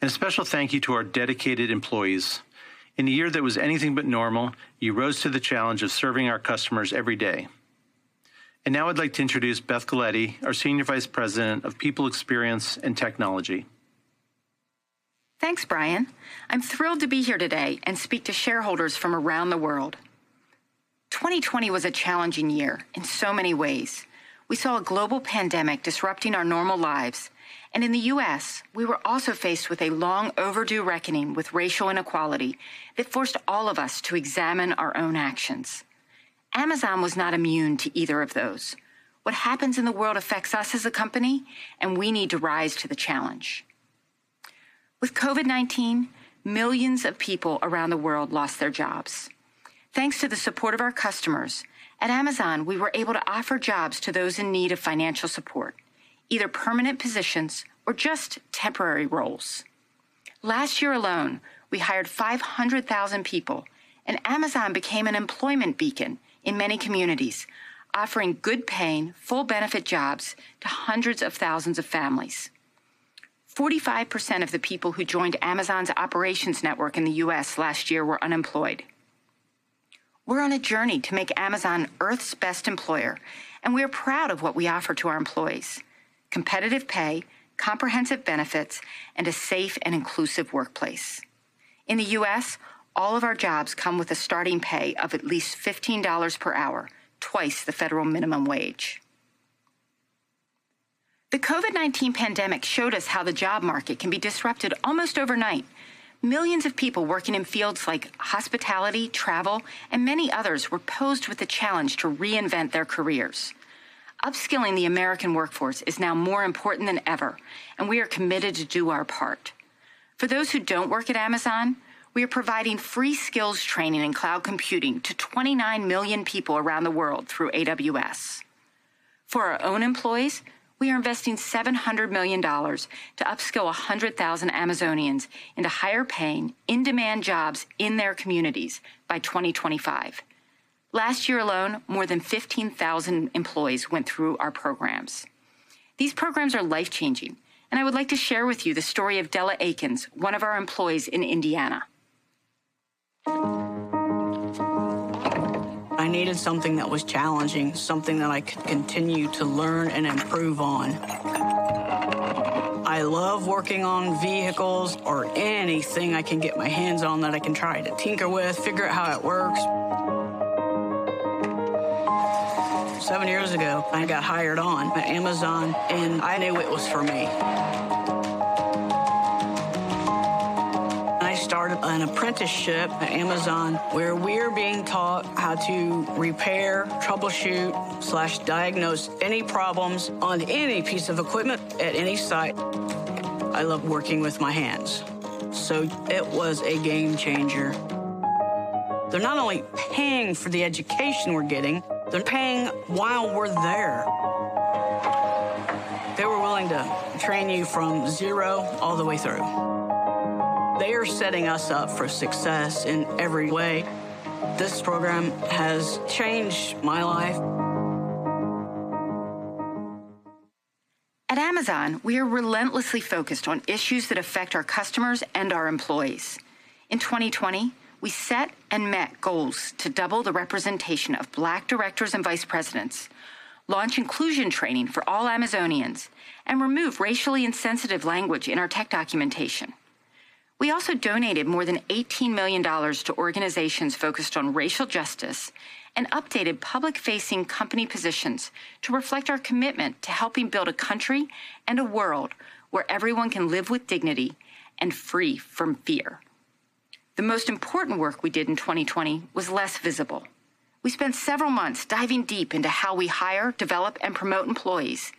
A special thank you to our dedicated employees. In a year that was anything but normal, you rose to the challenge of serving our customers every day. Now I'd like to introduce Beth Galetti, our Senior Vice President of People Experience and Technology.
Thanks, Brian. I'm thrilled to be here today and speak to shareholders from around the world. 2020 was a challenging year in so many ways. We saw a global pandemic disrupting our normal lives. In the U.S., we were also faced with a long-overdue reckoning with racial inequality that forced all of us to examine our own actions. Amazon was not immune to either of those. What happens in the world affects us as a company. We need to rise to the challenge. With COVID-19, millions of people around the world lost their jobs. Thanks to the support of our customers, at Amazon, we were able to offer jobs to those in need of financial support, either permanent positions or just temporary roles. Last year alone, we hired 500,000 people, and Amazon became an employment beacon in many communities, offering good-paying, full-benefit jobs to hundreds of thousands of families. 45% of the people who joined Amazon's operations network in the U.S. last year were unemployed. We're on a journey to make Amazon Earth's best employer, and we are proud of what we offer to our employees: competitive pay, comprehensive benefits, and a safe and inclusive workplace. In the U.S., all of our jobs come with a starting pay of at least $15 per hour, twice the federal minimum wage. The COVID-19 pandemic showed us how the job market can be disrupted almost overnight. Millions of people working in fields like hospitality, travel, and many others were posed with the challenge to reinvent their careers. Upskilling the American workforce is now more important than ever, and we are committed to do our part. For those who don't work at Amazon, we are providing free skills training in cloud computing to 29 million people around the world through AWS. For our own employees, we are investing $700 million to upskill 100,000 Amazonians into higher-paying, in-demand jobs in their communities by 2025. Last year alone, more than 15,000 employees went through our programs. These programs are life-changing, and I would like to share with you the story of Della Aikins, one of our employees in Indiana.
I needed something that was challenging, something that I could continue to learn and improve on. I love working on vehicles or anything I can get my hands on that I can try to tinker with, figure out how it works. Seven years ago, I got hired on by Amazon, and I knew it was for me. I started an apprenticeship at Amazon, where we're being taught how to repair, troubleshoot/diagnose any problems on any piece of equipment at any site. I love working with my hands, so it was a game-changer. They're not only paying for the education we're getting, they're paying while we're there. They were willing to train you from zero all the way through. They are setting us up for success in every way. This program has changed my life.
At Amazon, we are relentlessly focused on issues that affect our customers and our employees. In 2020, we set and met goals to double the representation of Black directors and vice presidents, launch inclusion training for all Amazonians, and remove racially insensitive language in our tech documentation. We also donated more than $18 million to organizations focused on racial justice and updated public-facing company positions to reflect our commitment to helping build a country and a world where everyone can live with dignity and free from fear. The most important work we did in 2020 was less visible. We spent several months diving deep into how we hire, develop, and promote employees,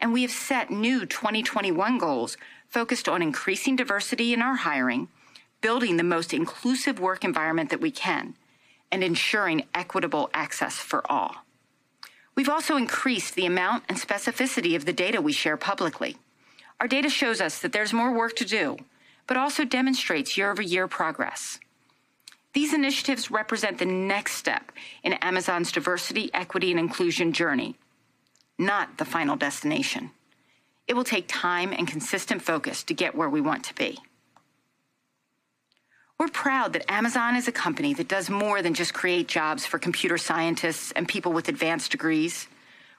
and we have set new 2021 goals focused on increasing diversity in our hiring, building the most inclusive work environment that we can, and ensuring equitable access for all. We've also increased the amount and specificity of the data we share publicly. Our data shows us that there's more work to do, but also demonstrates year-over-year progress. These initiatives represent the next step in Amazon's diversity, equity, and inclusion journey, not the final destination. It will take time and consistent focus to get where we want to be. We're proud that Amazon is a company that does more than just create jobs for computer scientists and people with advanced degrees.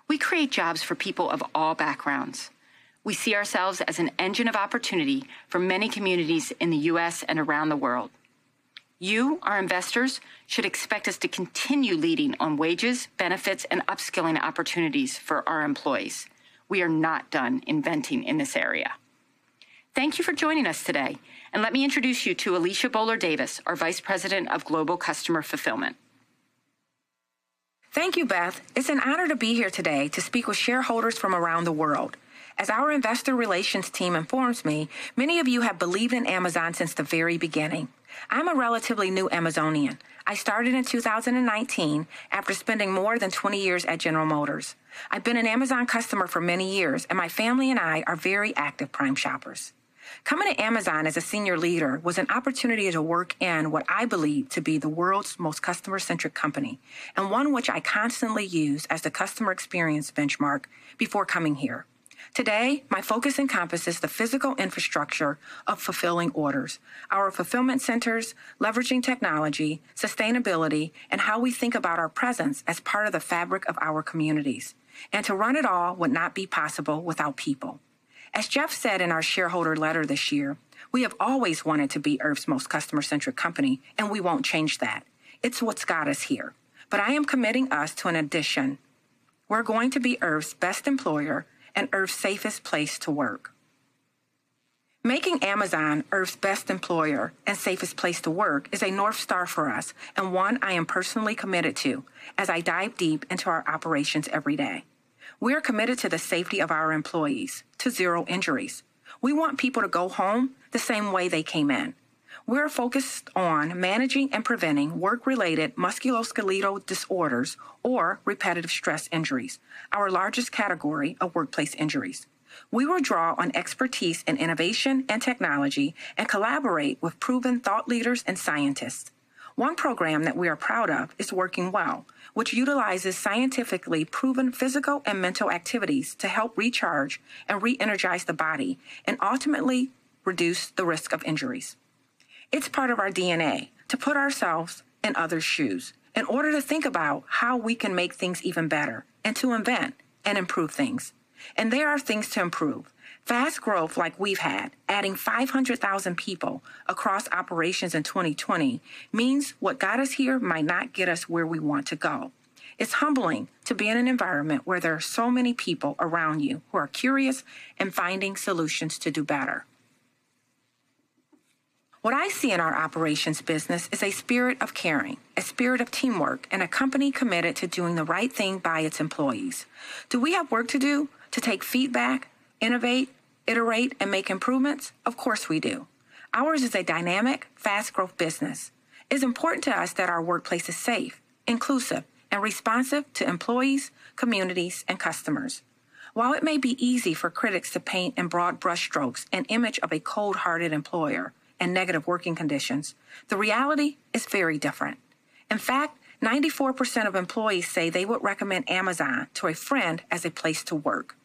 We create jobs for people of all backgrounds. We see ourselves as an engine of opportunity for many communities in the U.S. and around the world. You, our investors, should expect us to continue leading on wages, benefits, and upskilling opportunities for our employees. We are not done inventing in this area. Thank you for joining us today, and let me introduce you to Alicia Boler Davis, our Vice President of Global Customer Fulfillment.
Thank you, Beth. It's an honor to be here today to speak with shareholders from around the world. As our investor relations team informs me, many of you have believed in Amazon since the very beginning. I'm a relatively new Amazonian. I started in 2019 after spending more than 20 years at General Motors. I've been an Amazon customer for many years, and my family and I are very active Prime shoppers. Coming to Amazon as a senior leader was an opportunity to work in what I believe to be the world's most customer-centric company, and one which I constantly use as the customer experience benchmark before coming here. Today, my focus encompasses the physical infrastructure of fulfilling orders, our fulfillment centers, leveraging technology, sustainability, and how we think about our presence as part of the fabric of our communities. To run it all would not be possible without people. As Jeff said in our shareholder letter this year, we have always wanted to be Earth's Most Customer-Centric Company. We won't change that. It's what's got us here. I am committing us to an addition. We're going to be Earth's Best Employer and Earth's Safest Place to Work. Making Amazon Earth's Best Employer and Safest Place to Work is a North Star for us, and one I am personally committed to as I dive deep into our operations every day. We are committed to the safety of our employees, to zero injuries. We want people to go home the same way they came in. We're focused on managing and preventing work-related musculoskeletal disorders or repetitive stress injuries, our largest category of workplace injuries. We will draw on expertise in innovation and technology and collaborate with proven thought leaders and scientists. One program that we are proud of is WorkingWell, which utilizes scientifically proven physical and mental activities to help recharge and re-energize the body, and ultimately reduce the risk of injuries. It's part of our DNA to put ourselves in others' shoes in order to think about how we can make things even better and to invent and improve things. There are things to improve. Fast growth like we've had, adding 500,000 people across operations in 2020, means what got us here might not get us where we want to go. It's humbling to be in an environment where there are so many people around you who are curious and finding solutions to do better. What I see in our operations business is a spirit of caring, a spirit of teamwork, and a company committed to doing the right thing by its employees. Do we have work to do to take feedback, innovate, iterate, and make improvements? Of course, we do. Ours is a dynamic, fast-growth business. It's important to us that our workplace is safe, inclusive, and responsive to employees, communities, and customers. While it may be easy for critics to paint in broad brushstrokes an image of a cold-hearted employer and negative working conditions, the reality is very different. In fact, 94% of employees say they would recommend Amazon to a friend as a place to work.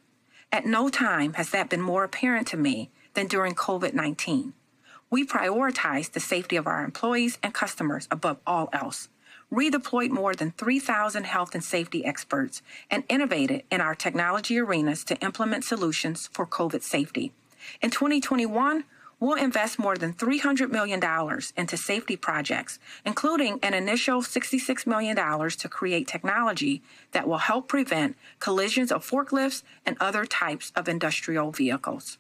At no time has that been more apparent to me than during COVID-19. We prioritize the safety of our employees and customers above all else, redeployed more than 3,000 health and safety experts, and innovated in our technology arenas to implement solutions for COVID safety. In 2021, we'll invest more than $300 million into safety projects, including an initial $66 million to create technology that will help prevent collisions of forklifts and other types of industrial vehicles.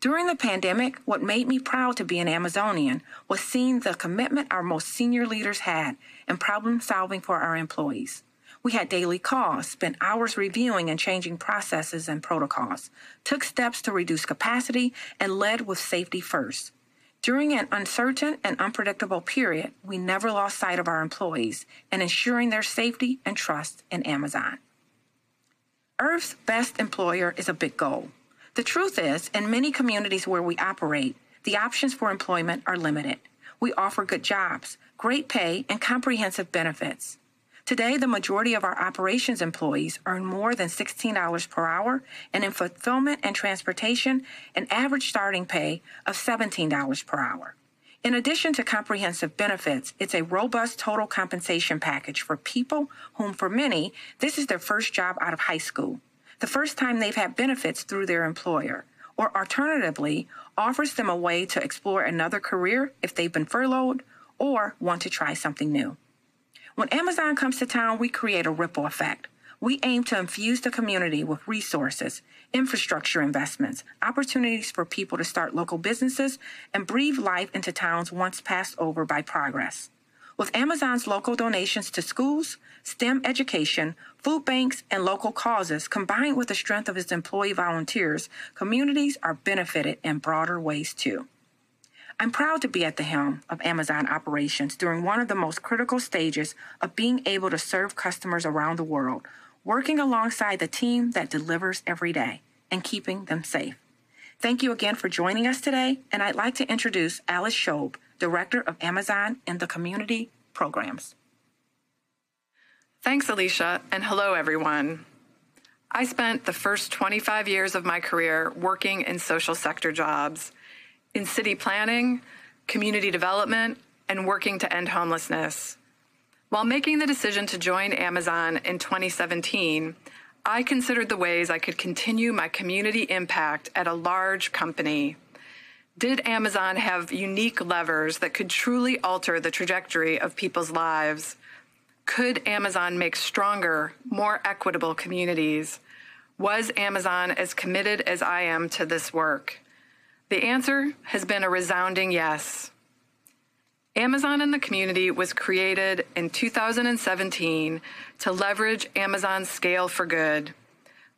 During the pandemic, what made me proud to be an Amazonian was seeing the commitment our most senior leaders had in problem-solving for our employees. We had daily calls, spent hours reviewing and changing processes and protocols, took steps to reduce capacity, and led with safety first. During an uncertain and unpredictable period, we never lost sight of our employees and ensuring their safety and trust in Amazon. Earth's best employer is a big goal. The truth is, in many communities where we operate, the options for employment are limited. We offer good jobs, great pay, and comprehensive benefits. Today, the majority of our operations employees earn more than $16 per hour, and in fulfillment and transportation, an average starting pay of $17 per hour. In addition to comprehensive benefits, it's a robust total compensation package for people whom, for many, this is their first job out of high school, the first time they've had benefits through their employer, or alternatively, offers them a way to explore another career if they've been furloughed or want to try something new. When Amazon comes to town, we create a ripple effect. We aim to infuse the community with resources, infrastructure investments, opportunities for people to start local businesses, and breathe life into towns once passed over by progress. With Amazon's local donations to schools, STEM education, food banks, and local causes, combined with the strength of its employee volunteers, communities are benefited in broader ways too. I'm proud to be at the helm of Amazon operations during one of the most critical stages of being able to serve customers around the world, working alongside the team that delivers every day and keeping them safe. Thank you again for joining us today. I'd like to introduce Alice Shobe, director of Amazon in the Community.
Thanks, Alicia, and hello, everyone. I spent the first 25 years of my career working in social sector jobs in city planning, community development, and working to end homelessness. While making the decision to join Amazon in 2017, I considered the ways I could continue my community impact at a large company. Did Amazon have unique levers that could truly alter the trajectory of people's lives? Could Amazon make stronger, more equitable communities? Was Amazon as committed as I am to this work? The answer has been a resounding yes. Amazon in the Community was created in 2017 to leverage Amazon's scale for good.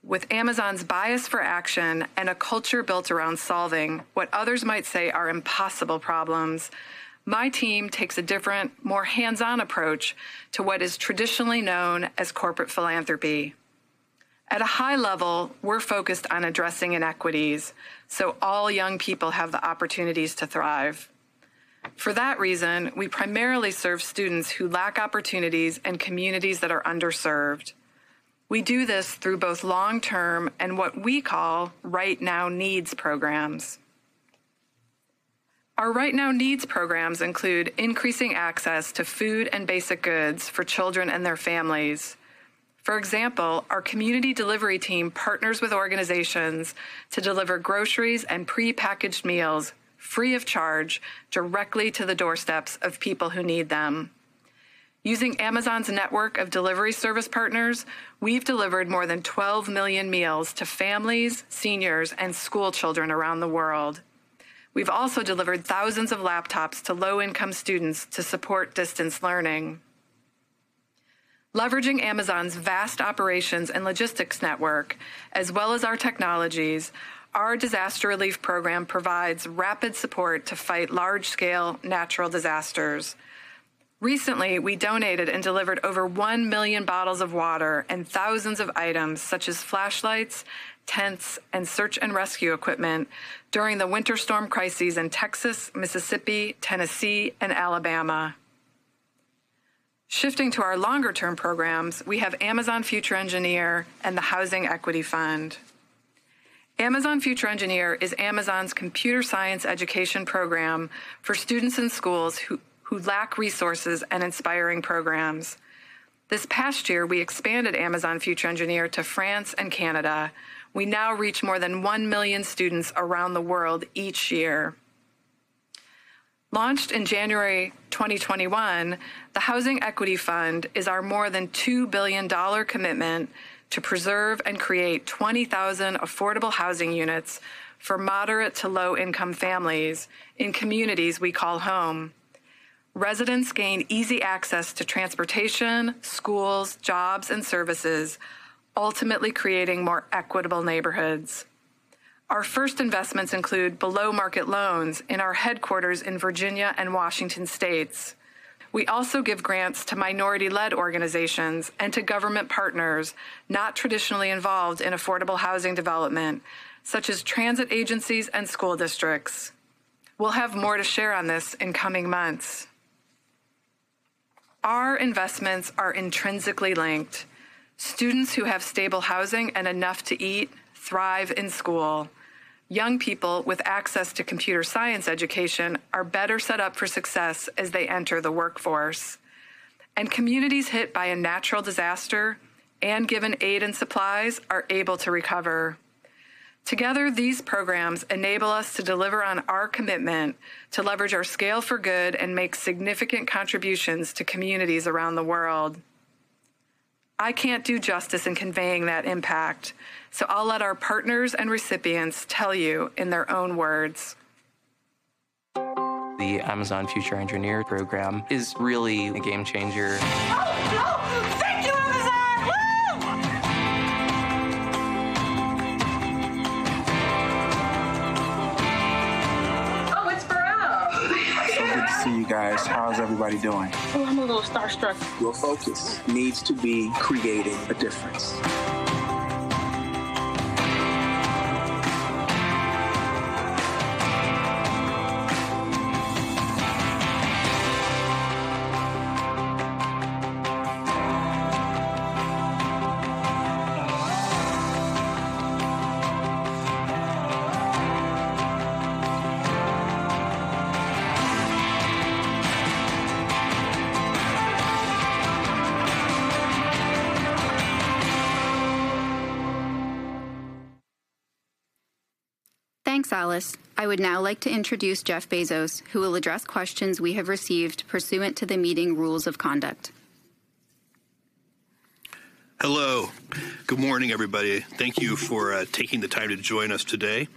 With Amazon's bias for action and a culture built around solving what others might say are impossible problems, my team takes a different, more hands-on approach to what is traditionally known as corporate philanthropy. At a high level, we're focused on addressing inequities so all young people have the opportunities to thrive. For that reason, we primarily serve students who lack opportunities and communities that are underserved. We do this through both long-term and what we call Right Now Needs programs. Our Right Now Needs programs include increasing access to food and basic goods for children and their families. For example, our community delivery team partners with organizations to deliver groceries and prepackaged meals free of charge directly to the doorsteps of people who need them. Using Amazon's network of delivery service partners, we've delivered more than 12 million meals to families, seniors, and schoolchildren around the world. We've also delivered thousands of laptops to low-income students to support distance learning. Leveraging Amazon's vast operations and logistics network, as well as our technologies, our disaster relief program provides rapid support to fight large-scale natural disasters. Recently, we donated and delivered over 1 million bottles of water and thousands of items such as flashlights, tents, and search and rescue equipment during the winter storm crises in Texas, Mississippi, Tennessee, and Alabama. Shifting to our longer-term programs, we have Amazon Future Engineer and the Housing Equity Fund. Amazon Future Engineer is Amazon's computer science education program for students in schools who lack resources and inspiring programs. This past year, we expanded Amazon Future Engineer to France and Canada. We now reach more than 1 million students around the world each year. Launched in January 2021, the Housing Equity Fund is our more than $2 billion commitment to preserve and create 20,000 affordable housing units for moderate to low-income families in communities we call home. Residents gain easy access to transportation, schools, jobs, and services, ultimately creating more equitable neighborhoods. Our first investments include below-market loans in our headquarters in Virginia and Washington State. We also give grants to minority-led organizations and to government partners not traditionally involved in affordable housing development, such as transit agencies and school districts. We'll have more to share on this in coming months. Our investments are intrinsically linked. Students who have stable housing and enough to eat thrive in school. Young people with access to computer science education are better set up for success as they enter the workforce. Communities hit by a natural disaster and given aid and supplies are able to recover. Together, these programs enable us to deliver on our commitment to leverage our scale for good and make significant contributions to communities around the world. I can't do justice in conveying that impact, so I'll let our partners and recipients tell you in their own words.
The Amazon Future Engineer program is really a game-changer. Oh, oh. Thank you, Amazon. Woo. Oh, it's Pharrell. Good to see you guys. How's everybody doing? Oh, I'm a little starstruck. Your focus needs to be creating a difference.
Thanks, Alice. I would now like to introduce Jeff Bezos, who will address questions we have received pursuant to the meeting rules of conduct.
Hello. Good morning, everybody. Thank you for taking the time to join us today.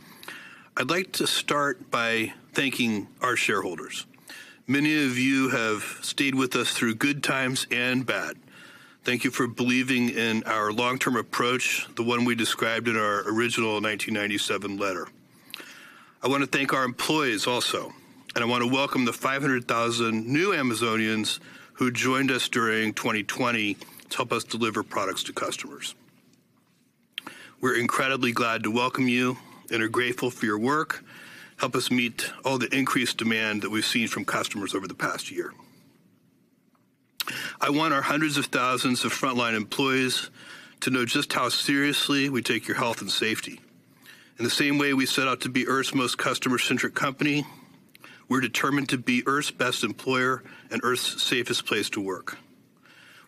I'd like to start by thanking our shareholders. Many of you have stayed with us through good times and bad. Thank you for believing in our long-term approach, the one we described in our original 1997 letter. I wanna thank our employees also, and I wanna welcome the 500,000 new Amazonians who joined us during 2020 to help us deliver products to customers. We're incredibly glad to welcome you and are grateful for your work. Help us meet all the increased demand that we've seen from customers over the past year. I want our hundreds of thousands of frontline employees to know just how seriously we take your health and safety. In the same way we set out to be Earth's most customer-centric company, we're determined to be Earth's best employer and Earth's safest place to work.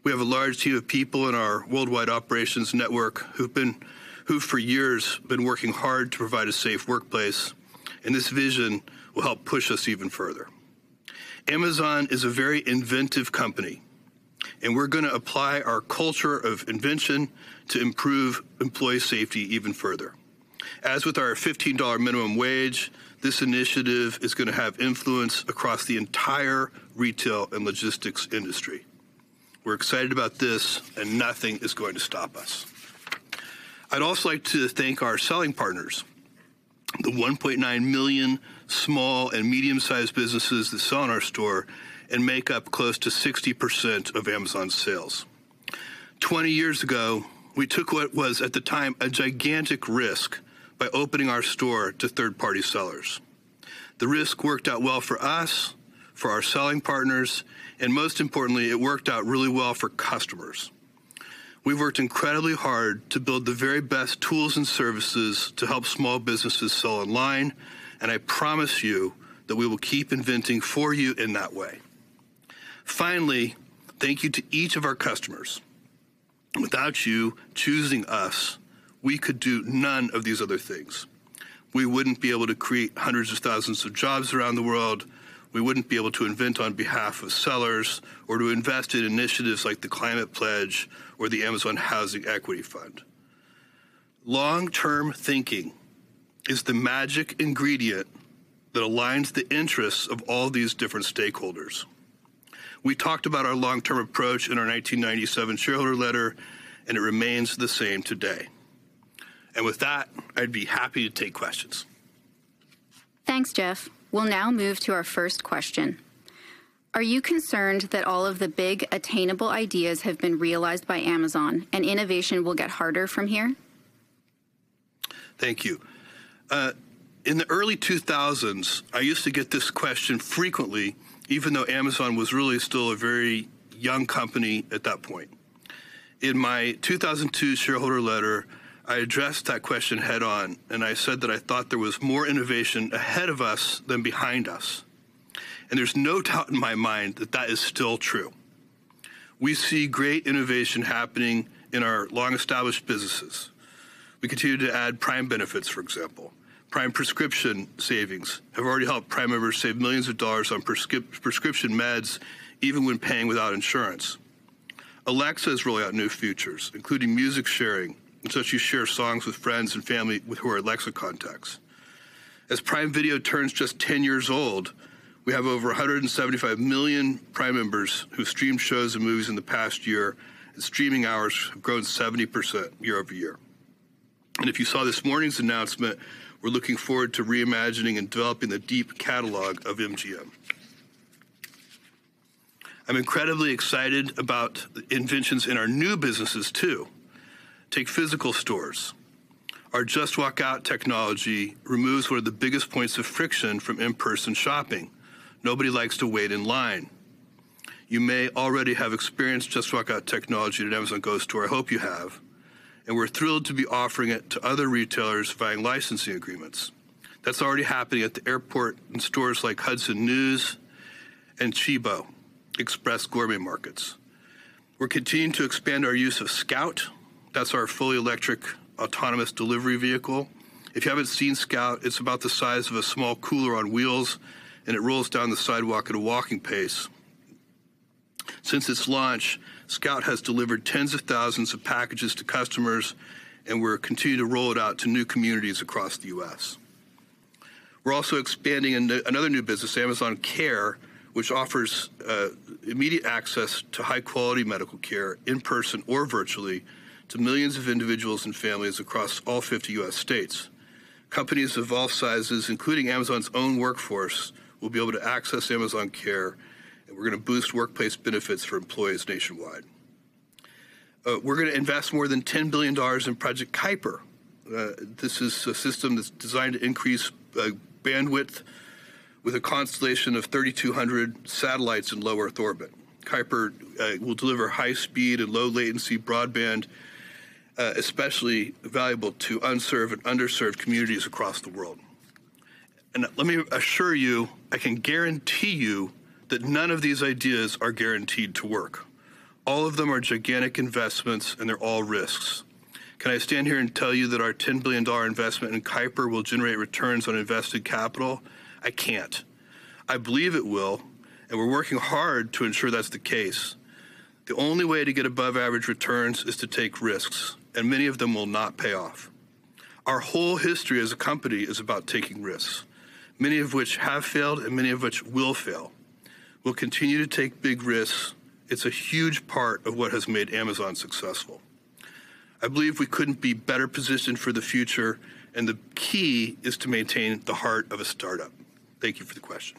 We have a large team of people in our worldwide operations network who, for years, have been working hard to provide a safe workplace, and this vision will help push us even further. Amazon is a very inventive company, and we're gonna apply our culture of invention to improve employee safety even further. As with our $15 minimum wage, this initiative is gonna have influence across the entire retail and logistics industry. We're excited about this, nothing is going to stop us. I'd also like to thank our selling partners, the 1.9 million small and medium-sized businesses that sell in our store and make up close to 60% of Amazon's sales. 20 years ago, we took what was at the time a gigantic risk by opening our store to third-party sellers. The risk worked out well for us, for our selling partners, and most importantly, it worked out really well for customers. We've worked incredibly hard to build the very best tools and services to help small businesses sell online, and I promise you that we will keep inventing for you in that way. Finally, thank you to each of our customers. Without you choosing us, we could do none of these other things. We wouldn't be able to create hundreds of thousands of jobs around the world. We wouldn't be able to invent on behalf of sellers or to invest in initiatives like The Climate Pledge or the Amazon Housing Equity Fund. Long-term thinking is the magic ingredient that aligns the interests of all these different stakeholders. We talked about our long-term approach in our 1997 shareholder letter. It remains the same today. With that, I'd be happy to take questions.
Thanks, Jeff. We'll now move to our first question. Are you concerned that all of the big attainable ideas have been realized by Amazon, and innovation will get harder from here?
Thank you. In the early 2000s, I used to get this question frequently, even though Amazon was really still a very young company at that point. In my 2002 shareholder letter, I addressed that question head-on. I said that I thought there was more innovation ahead of us than behind us. There's no doubt in my mind that that is still true. We see great innovation happening in our long-established businesses. We continue to add Prime benefits, for example. Prime prescription savings have already helped Prime members save millions of dollars on prescription meds, even when paying without insurance. Alexa has rolled out new features, including music sharing. She shares songs with friends and family with who are Alexa contacts. As Prime Video turns just 10 years old, we have over 175 million Prime members who've streamed shows and movies in the past year, and streaming hours have grown 70% year-over-year. If you saw this morning's announcement, we're looking forward to reimagining and developing the deep catalog of MGM. I'm incredibly excited about the inventions in our new businesses, too. Take physical stores. "Our 'Just Walk Out' technology removes one of the biggest points of friction from in-person shopping." Nobody likes to wait in line. You may already have experienced Just Walk Out technology at an Amazon Go store. I hope you have. We're thrilled to be offering it to other retailers via licensing agreements. That's already happening at the airport in stores like Hudson News and CIBO Express Gourmet Markets. We're continuing to expand our use of Scout. That's our fully electric autonomous delivery vehicle. If you haven't seen Scout, it's about the size of a small cooler on wheels, and it rolls down the sidewalk at a walking pace. Since its launch, Scout has delivered tens of thousands of packages to customers, and we're continuing to roll it out to new communities across the U.S. We're also expanding another new business, Amazon Care, which offers immediate access to high-quality medical care in person or virtually to millions of individuals and families across all 50 U.S. states. Companies of all sizes, including Amazon's own workforce, will be able to access Amazon Care, and we're gonna boost workplace benefits for employees nationwide. We're gonna invest more than $10 billion in Project Kuiper. This is a system that's designed to increase bandwidth with a constellation of 3,200 satellites in low Earth orbit. Kuiper will deliver high-speed and low-latency broadband, especially valuable to unserved and underserved communities across the world. Let me assure you, I can guarantee you that none of these ideas are guaranteed to work. All of them are gigantic investments, and they're all risks. Can I stand here and tell you that our $10 billion investment in Kuiper will generate returns on invested capital? I can't. I believe it will, and we're working hard to ensure that's the case. The only way to get above-average returns is to take risks, and many of them will not pay off. Our whole history as a company is about taking risks, many of which have failed and many of which will fail. We'll continue to take big risks. It's a huge part of what has made Amazon successful. I believe we couldn't be better positioned for the future, and the key is to maintain the heart of a startup. Thank you for the question.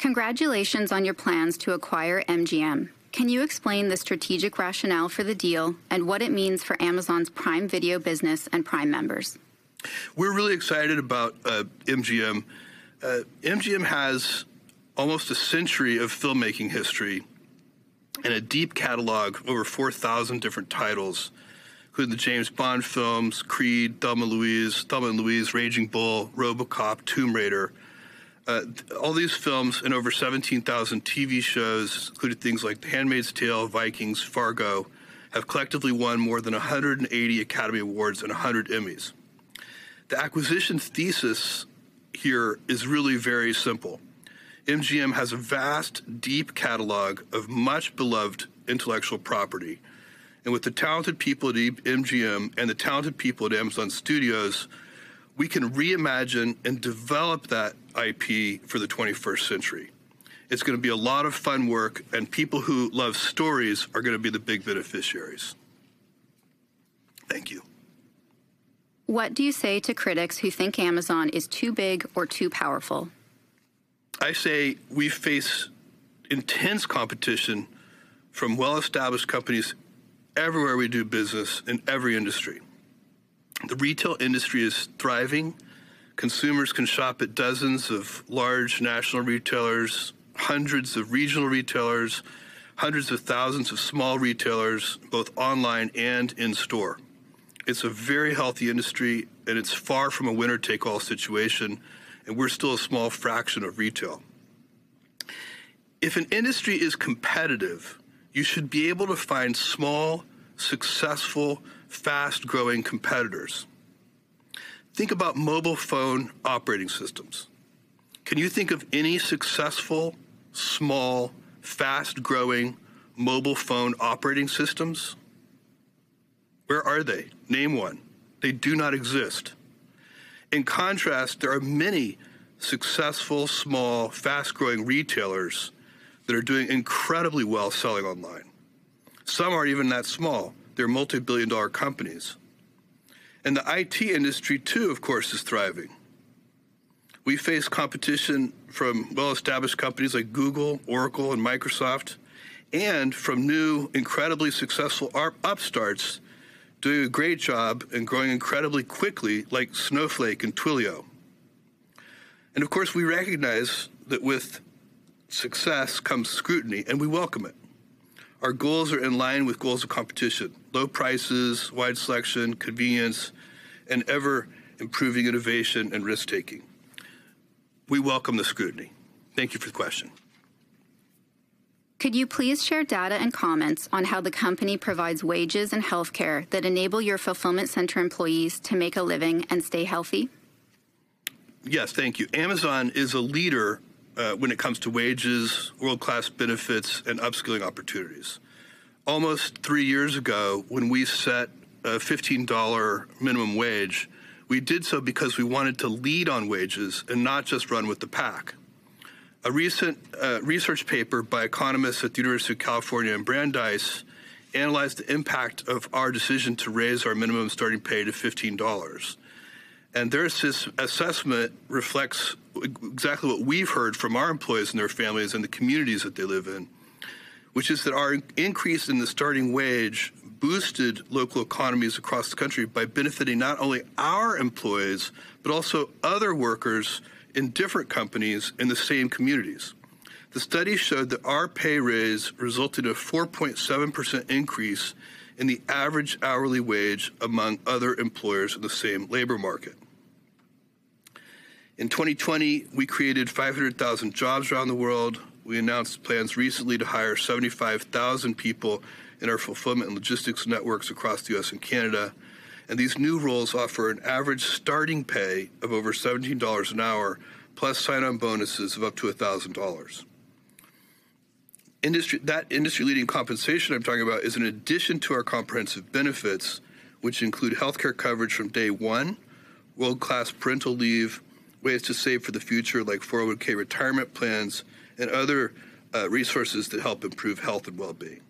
Congratulations on your plans to acquire MGM. Can you explain the strategic rationale for the deal and what it means for Amazon's Prime Video business and Prime members?
We're really excited about MGM. MGM has almost a century of filmmaking history and a deep catalog of over 4,000 different titles, including the James Bond films, Creed, Thelma & Louise, Raging Bull, RoboCop, Tomb Raider. All these films and over 17,000 TV shows, including things like The Handmaid's Tale, Vikings, Fargo, have collectively won more than 180 Academy Awards and 100 Emmys. The acquisition's thesis here is really very simple. MGM has a vast, deep catalog of much-beloved intellectual property. With the talented people at MGM and the talented people at Amazon Studios, we can reimagine and develop that IP for the 21st century. It's gonna be a lot of fun work, and people who love stories are gonna be the big beneficiaries. Thank you.
What do you say to critics who think Amazon is too big or too powerful?
I say we face intense competition from well-established companies everywhere we do business in every industry. The retail industry is thriving. Consumers can shop at dozens of large national retailers, hundreds of regional retailers, hundreds of thousands of small retailers, both online and in-store. It's a very healthy industry. It's far from a winner-take-all situation. We're still a small fraction of retail. If an industry is competitive, you should be able to find small, successful, fast-growing competitors. Think about mobile phone operating systems. Can you think of any successful, small, fast-growing mobile phone operating systems? Where are they? Name one. They do not exist. In contrast, there are many successful, small, fast-growing retailers that are doing incredibly well selling online. Some aren't even that small. They're multi-billion dollar companies. The IT industry, too, of course, is thriving. We face competition from well-established companies like Google, Oracle, and Microsoft, and from new, incredibly successful upstarts doing a great job and growing incredibly quickly like Snowflake and Twilio. Of course, we recognize that with success comes scrutiny, and we welcome it. Our goals are in line with goals of competition, low prices, wide selection, convenience, and ever-improving innovation and risk-taking. We welcome the scrutiny. Thank you for the question.
Could you please share data and comments on how the company provides wages and healthcare that enable your fulfillment center employees to make a living and stay healthy?
Yes, thank you. Amazon is a leader when it comes to wages, world-class benefits, and upskilling opportunities. Almost three years ago, when we set a $15 minimum wage, we did so because we wanted to lead on wages and not just run with the pack. A recent research paper by economists at the University of California, Brandeis, analyzed the impact of our decision to raise our minimum starting pay to $15. Their assessment reflects exactly what we've heard from our employees and their families and the communities that they live in, which is that our increase in the starting wage boosted local economies across the country by benefiting not only our employees, but also other workers in different companies in the same communities. The study showed that our pay raise resulted in a 4.7% increase in the average hourly wage among other employers in the same labor market. In 2020, we created 500,000 jobs around the world. We announced plans recently to hire 75,000 people in our fulfillment and logistics networks across the U.S. and Canada. These new roles offer an average starting pay of over $17 an hour, plus sign-on bonuses of up to $1,000. That industry-leading compensation I'm talking about is in addition to our comprehensive benefits, which include healthcare coverage from day one, world-class parental leave, ways to save for the future, like 401(k) retirement plans, and other resources to help improve health and well-being.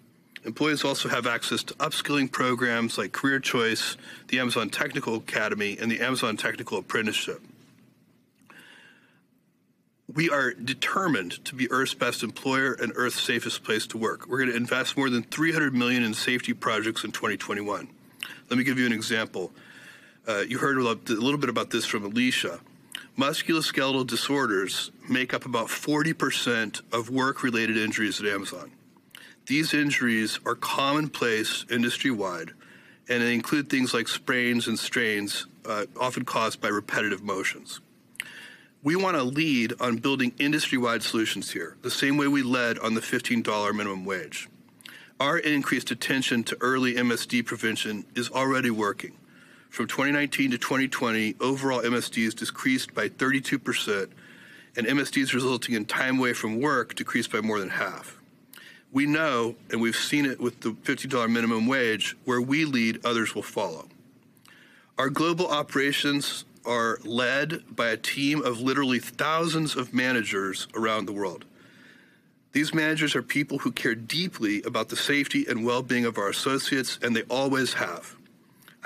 Employees also have access to upskilling programs like Career Choice, the Amazon Technical Academy, and the Amazon Technical Apprenticeship. We are determined to be Earth's best employer and Earth's safest place to work. We're gonna invest more than $300 million in safety projects in 2021. Let me give you an example. You heard a little bit about this from Alicia. Musculoskeletal disorders make up about 40% of work-related injuries at Amazon. These injuries are commonplace industry-wide, and they include things like sprains and strains, often caused by repetitive motions. We wanna lead on building industry-wide solutions here, the same way we led on the $15 minimum wage. Our increased attention to early MSD prevention is already working. From 2019 to 2020, overall MSDs decreased by 32%, and MSDs resulting in time away from work decreased by more than half. We know, and we've seen it with the $15 minimum wage, where we lead, others will follow. Our global operations are led by a team of literally thousands of managers around the world. These managers are people who care deeply about the safety and well-being of our associates, and they always have.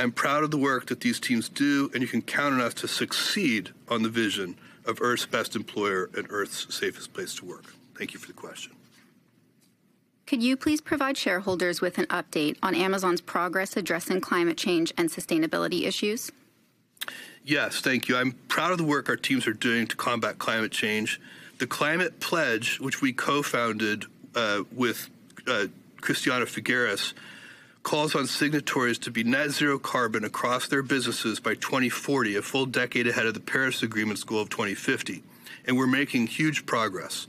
I'm proud of the work that these teams do, and you can count on us to succeed on the vision of Earth's best employer and Earth's safest place to work. Thank you for the question.
Could you please provide shareholders with an update on Amazon's progress addressing climate change and sustainability issues?
Yes. Thank you. I'm proud of the work our teams are doing to combat climate change. The Climate Pledge, which we co-founded with Christiana Figueres, calls on signatories to be net zero carbon across their businesses by 2040, a full decade ahead of the Paris Agreement's goal of 2050, and we're making huge progress.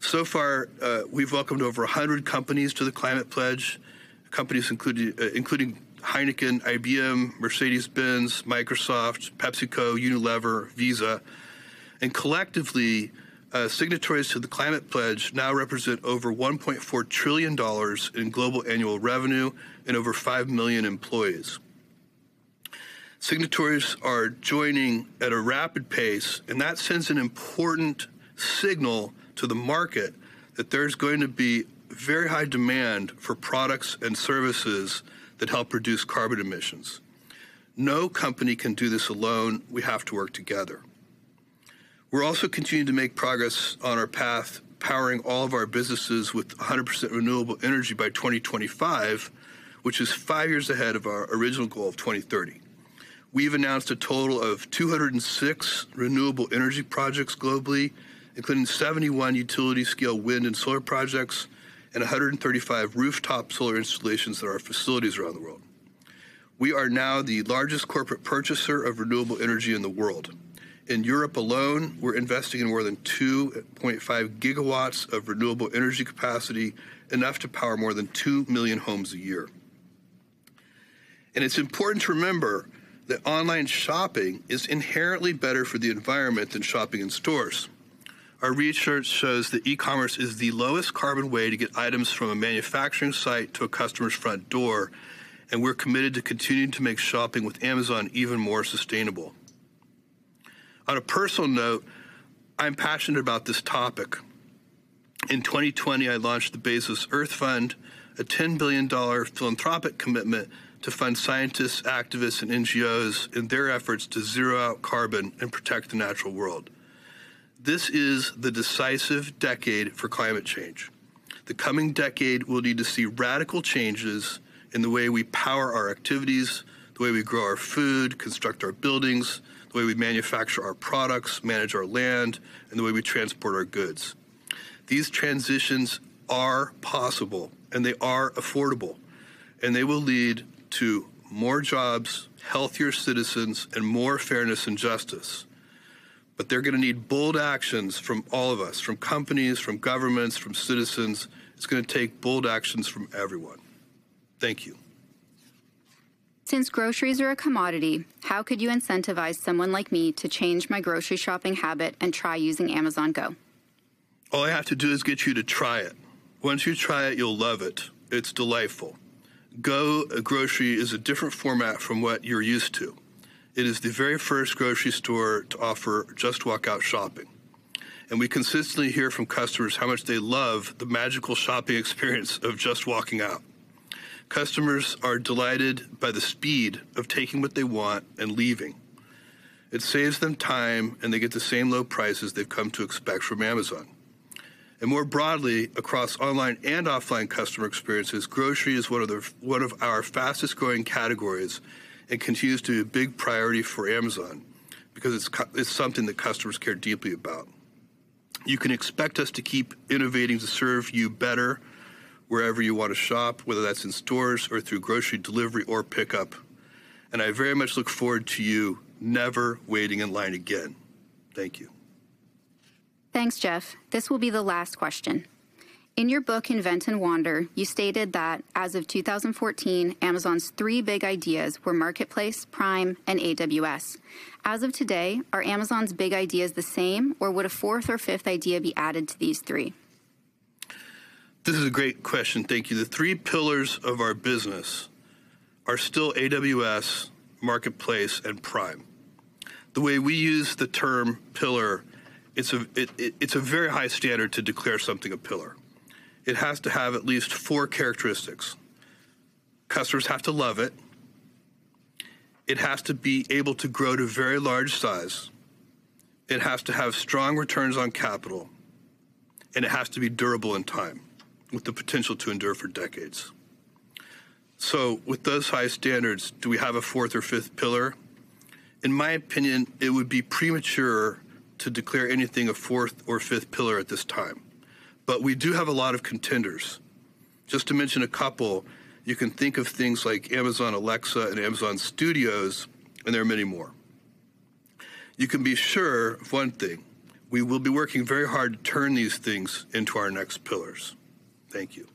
So far, we've welcomed over 100 companies to the Climate Pledge. Companies included including Heineken, IBM, Mercedes-Benz, Microsoft, PepsiCo, Unilever, Visa. Collectively, signatories to the Climate Pledge now represent over $1.4 trillion in global annual revenue and over 5 million employees. Signatories are joining at a rapid pace, and that sends an important signal to the market that there's going to be very high demand for products and services that help reduce carbon emissions. No company can do this alone. We have to work together. We're also continuing to make progress on our path to powering all of our businesses with 100% renewable energy by 2025, which is five years ahead of our original goal of 2030. We've announced a total of 206 renewable energy projects globally, including 71 utility-scale wind and solar projects and 135 rooftop solar installations at our facilities around the world. We are now the largest corporate purchaser of renewable energy in the world. In Europe alone, we're investing in more than 2.5 GW of renewable energy capacity, enough to power more than 2 million homes a year. It's important to remember that online shopping is inherently better for the environment than shopping in stores. Our research shows that e-commerce is the lowest carbon way to get items from a manufacturing site to a customer's front door. We're committed to continuing to make shopping with Amazon even more sustainable. On a personal note, I'm passionate about this topic. In 2020, I launched the Bezos Earth Fund, a $10 billion philanthropic commitment to fund scientists, activists, and NGOs in their efforts to zero out carbon and protect the natural world. This is the decisive decade for climate change. The coming decade, we'll need to see radical changes in the way we power our activities, the way we grow our food, construct our buildings, the way we manufacture our products, manage our land, and the way we transport our goods. These transitions are possible, they are affordable, they will lead to more jobs, healthier citizens, and more fairness and justice. They're gonna need bold actions from all of us, from companies, from governments, from citizens. It's gonna take bold actions from everyone. Thank you.
Since groceries are a commodity, how could you incentivize someone like me to change my grocery shopping habits and try using Amazon Go?
All I have to do is get you to try it. Once you try it, you'll love it. It's delightful. Amazon Go Grocery is a different format from what you're used to. It is the very first grocery store to offer Just Walk Out shopping. We consistently hear from customers how much they love the magical shopping experience of just walking out. Customers are delighted by the speed of taking what they want and leaving. It saves them time, and they get the same low prices they've come to expect from Amazon. More broadly, across online and offline customer experiences, grocery is one of our fastest-growing categories and continues to be a big priority for Amazon because it's something that customers care deeply about. You can expect us to keep innovating to serve you better wherever you want to shop, whether that's in stores or through grocery delivery or pickup, and I very much look forward to you never waiting in line again. Thank you.
Thanks, Jeff. This will be the last question. In your book Invent and Wander, you stated that as of 2014, Amazon's three big ideas were Marketplace, Prime, and AWS. As of today, are Amazon's big ideas the same, or would a fourth or fifth idea be added to these three?
This is a great question. Thank you. The three pillars of our business are still AWS, Marketplace, and Prime. The way we use the term pillar, is a very high standard to declare something a pillar. It has to have at least four characteristics. Customers have to love it. It has to be able to grow to a very large size. It has to have strong returns on capital, and it has to be durable in time, with the potential to endure for decades. With those high standards, do we have a 4th or 5th pillar? In my opinion, it would be premature to declare anything a 4th or 5th pillar at this time. We do have a lot of contenders. Just to mention a couple, you can think of things like Amazon Alexa and Amazon Studios, and there are many more. You can be sure of one thing, we will be working very hard to turn these things into our next pillars. Thank you.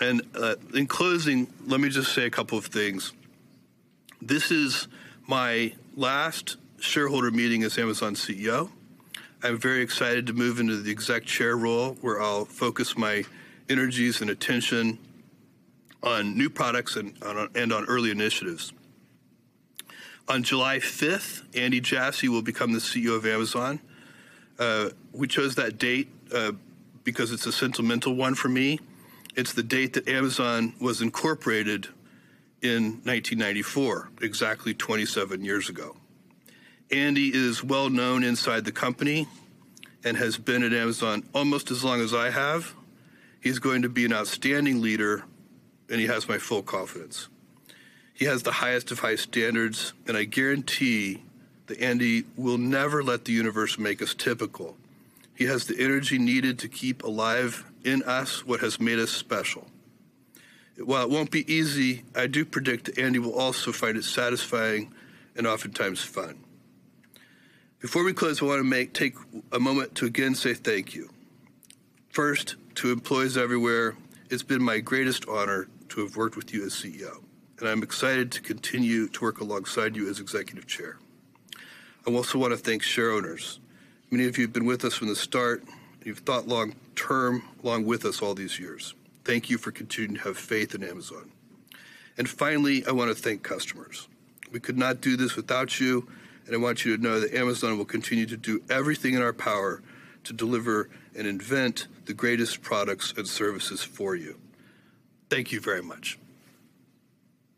In closing, let me just say a couple of things. This is my last shareholder meeting as Amazon CEO. I'm very excited to move into the Executive Chair role, where I'll focus my energies and attention on new products and on early initiatives. On July 5, Andy Jassy will become the CEO of Amazon. We chose that date because it's a sentimental one for me. It's the date that Amazon was incorporated in 1994, exactly 27 years ago. Andy is well known inside the company and has been at Amazon almost as long as I have. He's going to be an outstanding leader, and he has my full confidence. He has the highest of high standards. I guarantee that Andy will never let the universe make us typical. He has the energy needed to keep alive in us what has made us special. While it won't be easy, I do predict Andy will also find it satisfying and oftentimes fun. Before we close, I wanna take a moment to again say thank you. First, to employees everywhere, it's been my greatest honor to have worked with you as CEO. I'm excited to continue to work alongside you as Executive Chair. I also want to thank shareholders. Many of you have been with us from the start. You've thought long-term along with us all these years. Thank you for continuing to have faith in Amazon. Finally, I wanna thank customers. We could not do this without you, and I want you to know that Amazon will continue to do everything in our power to deliver and invent the greatest products and services for you. Thank you very much.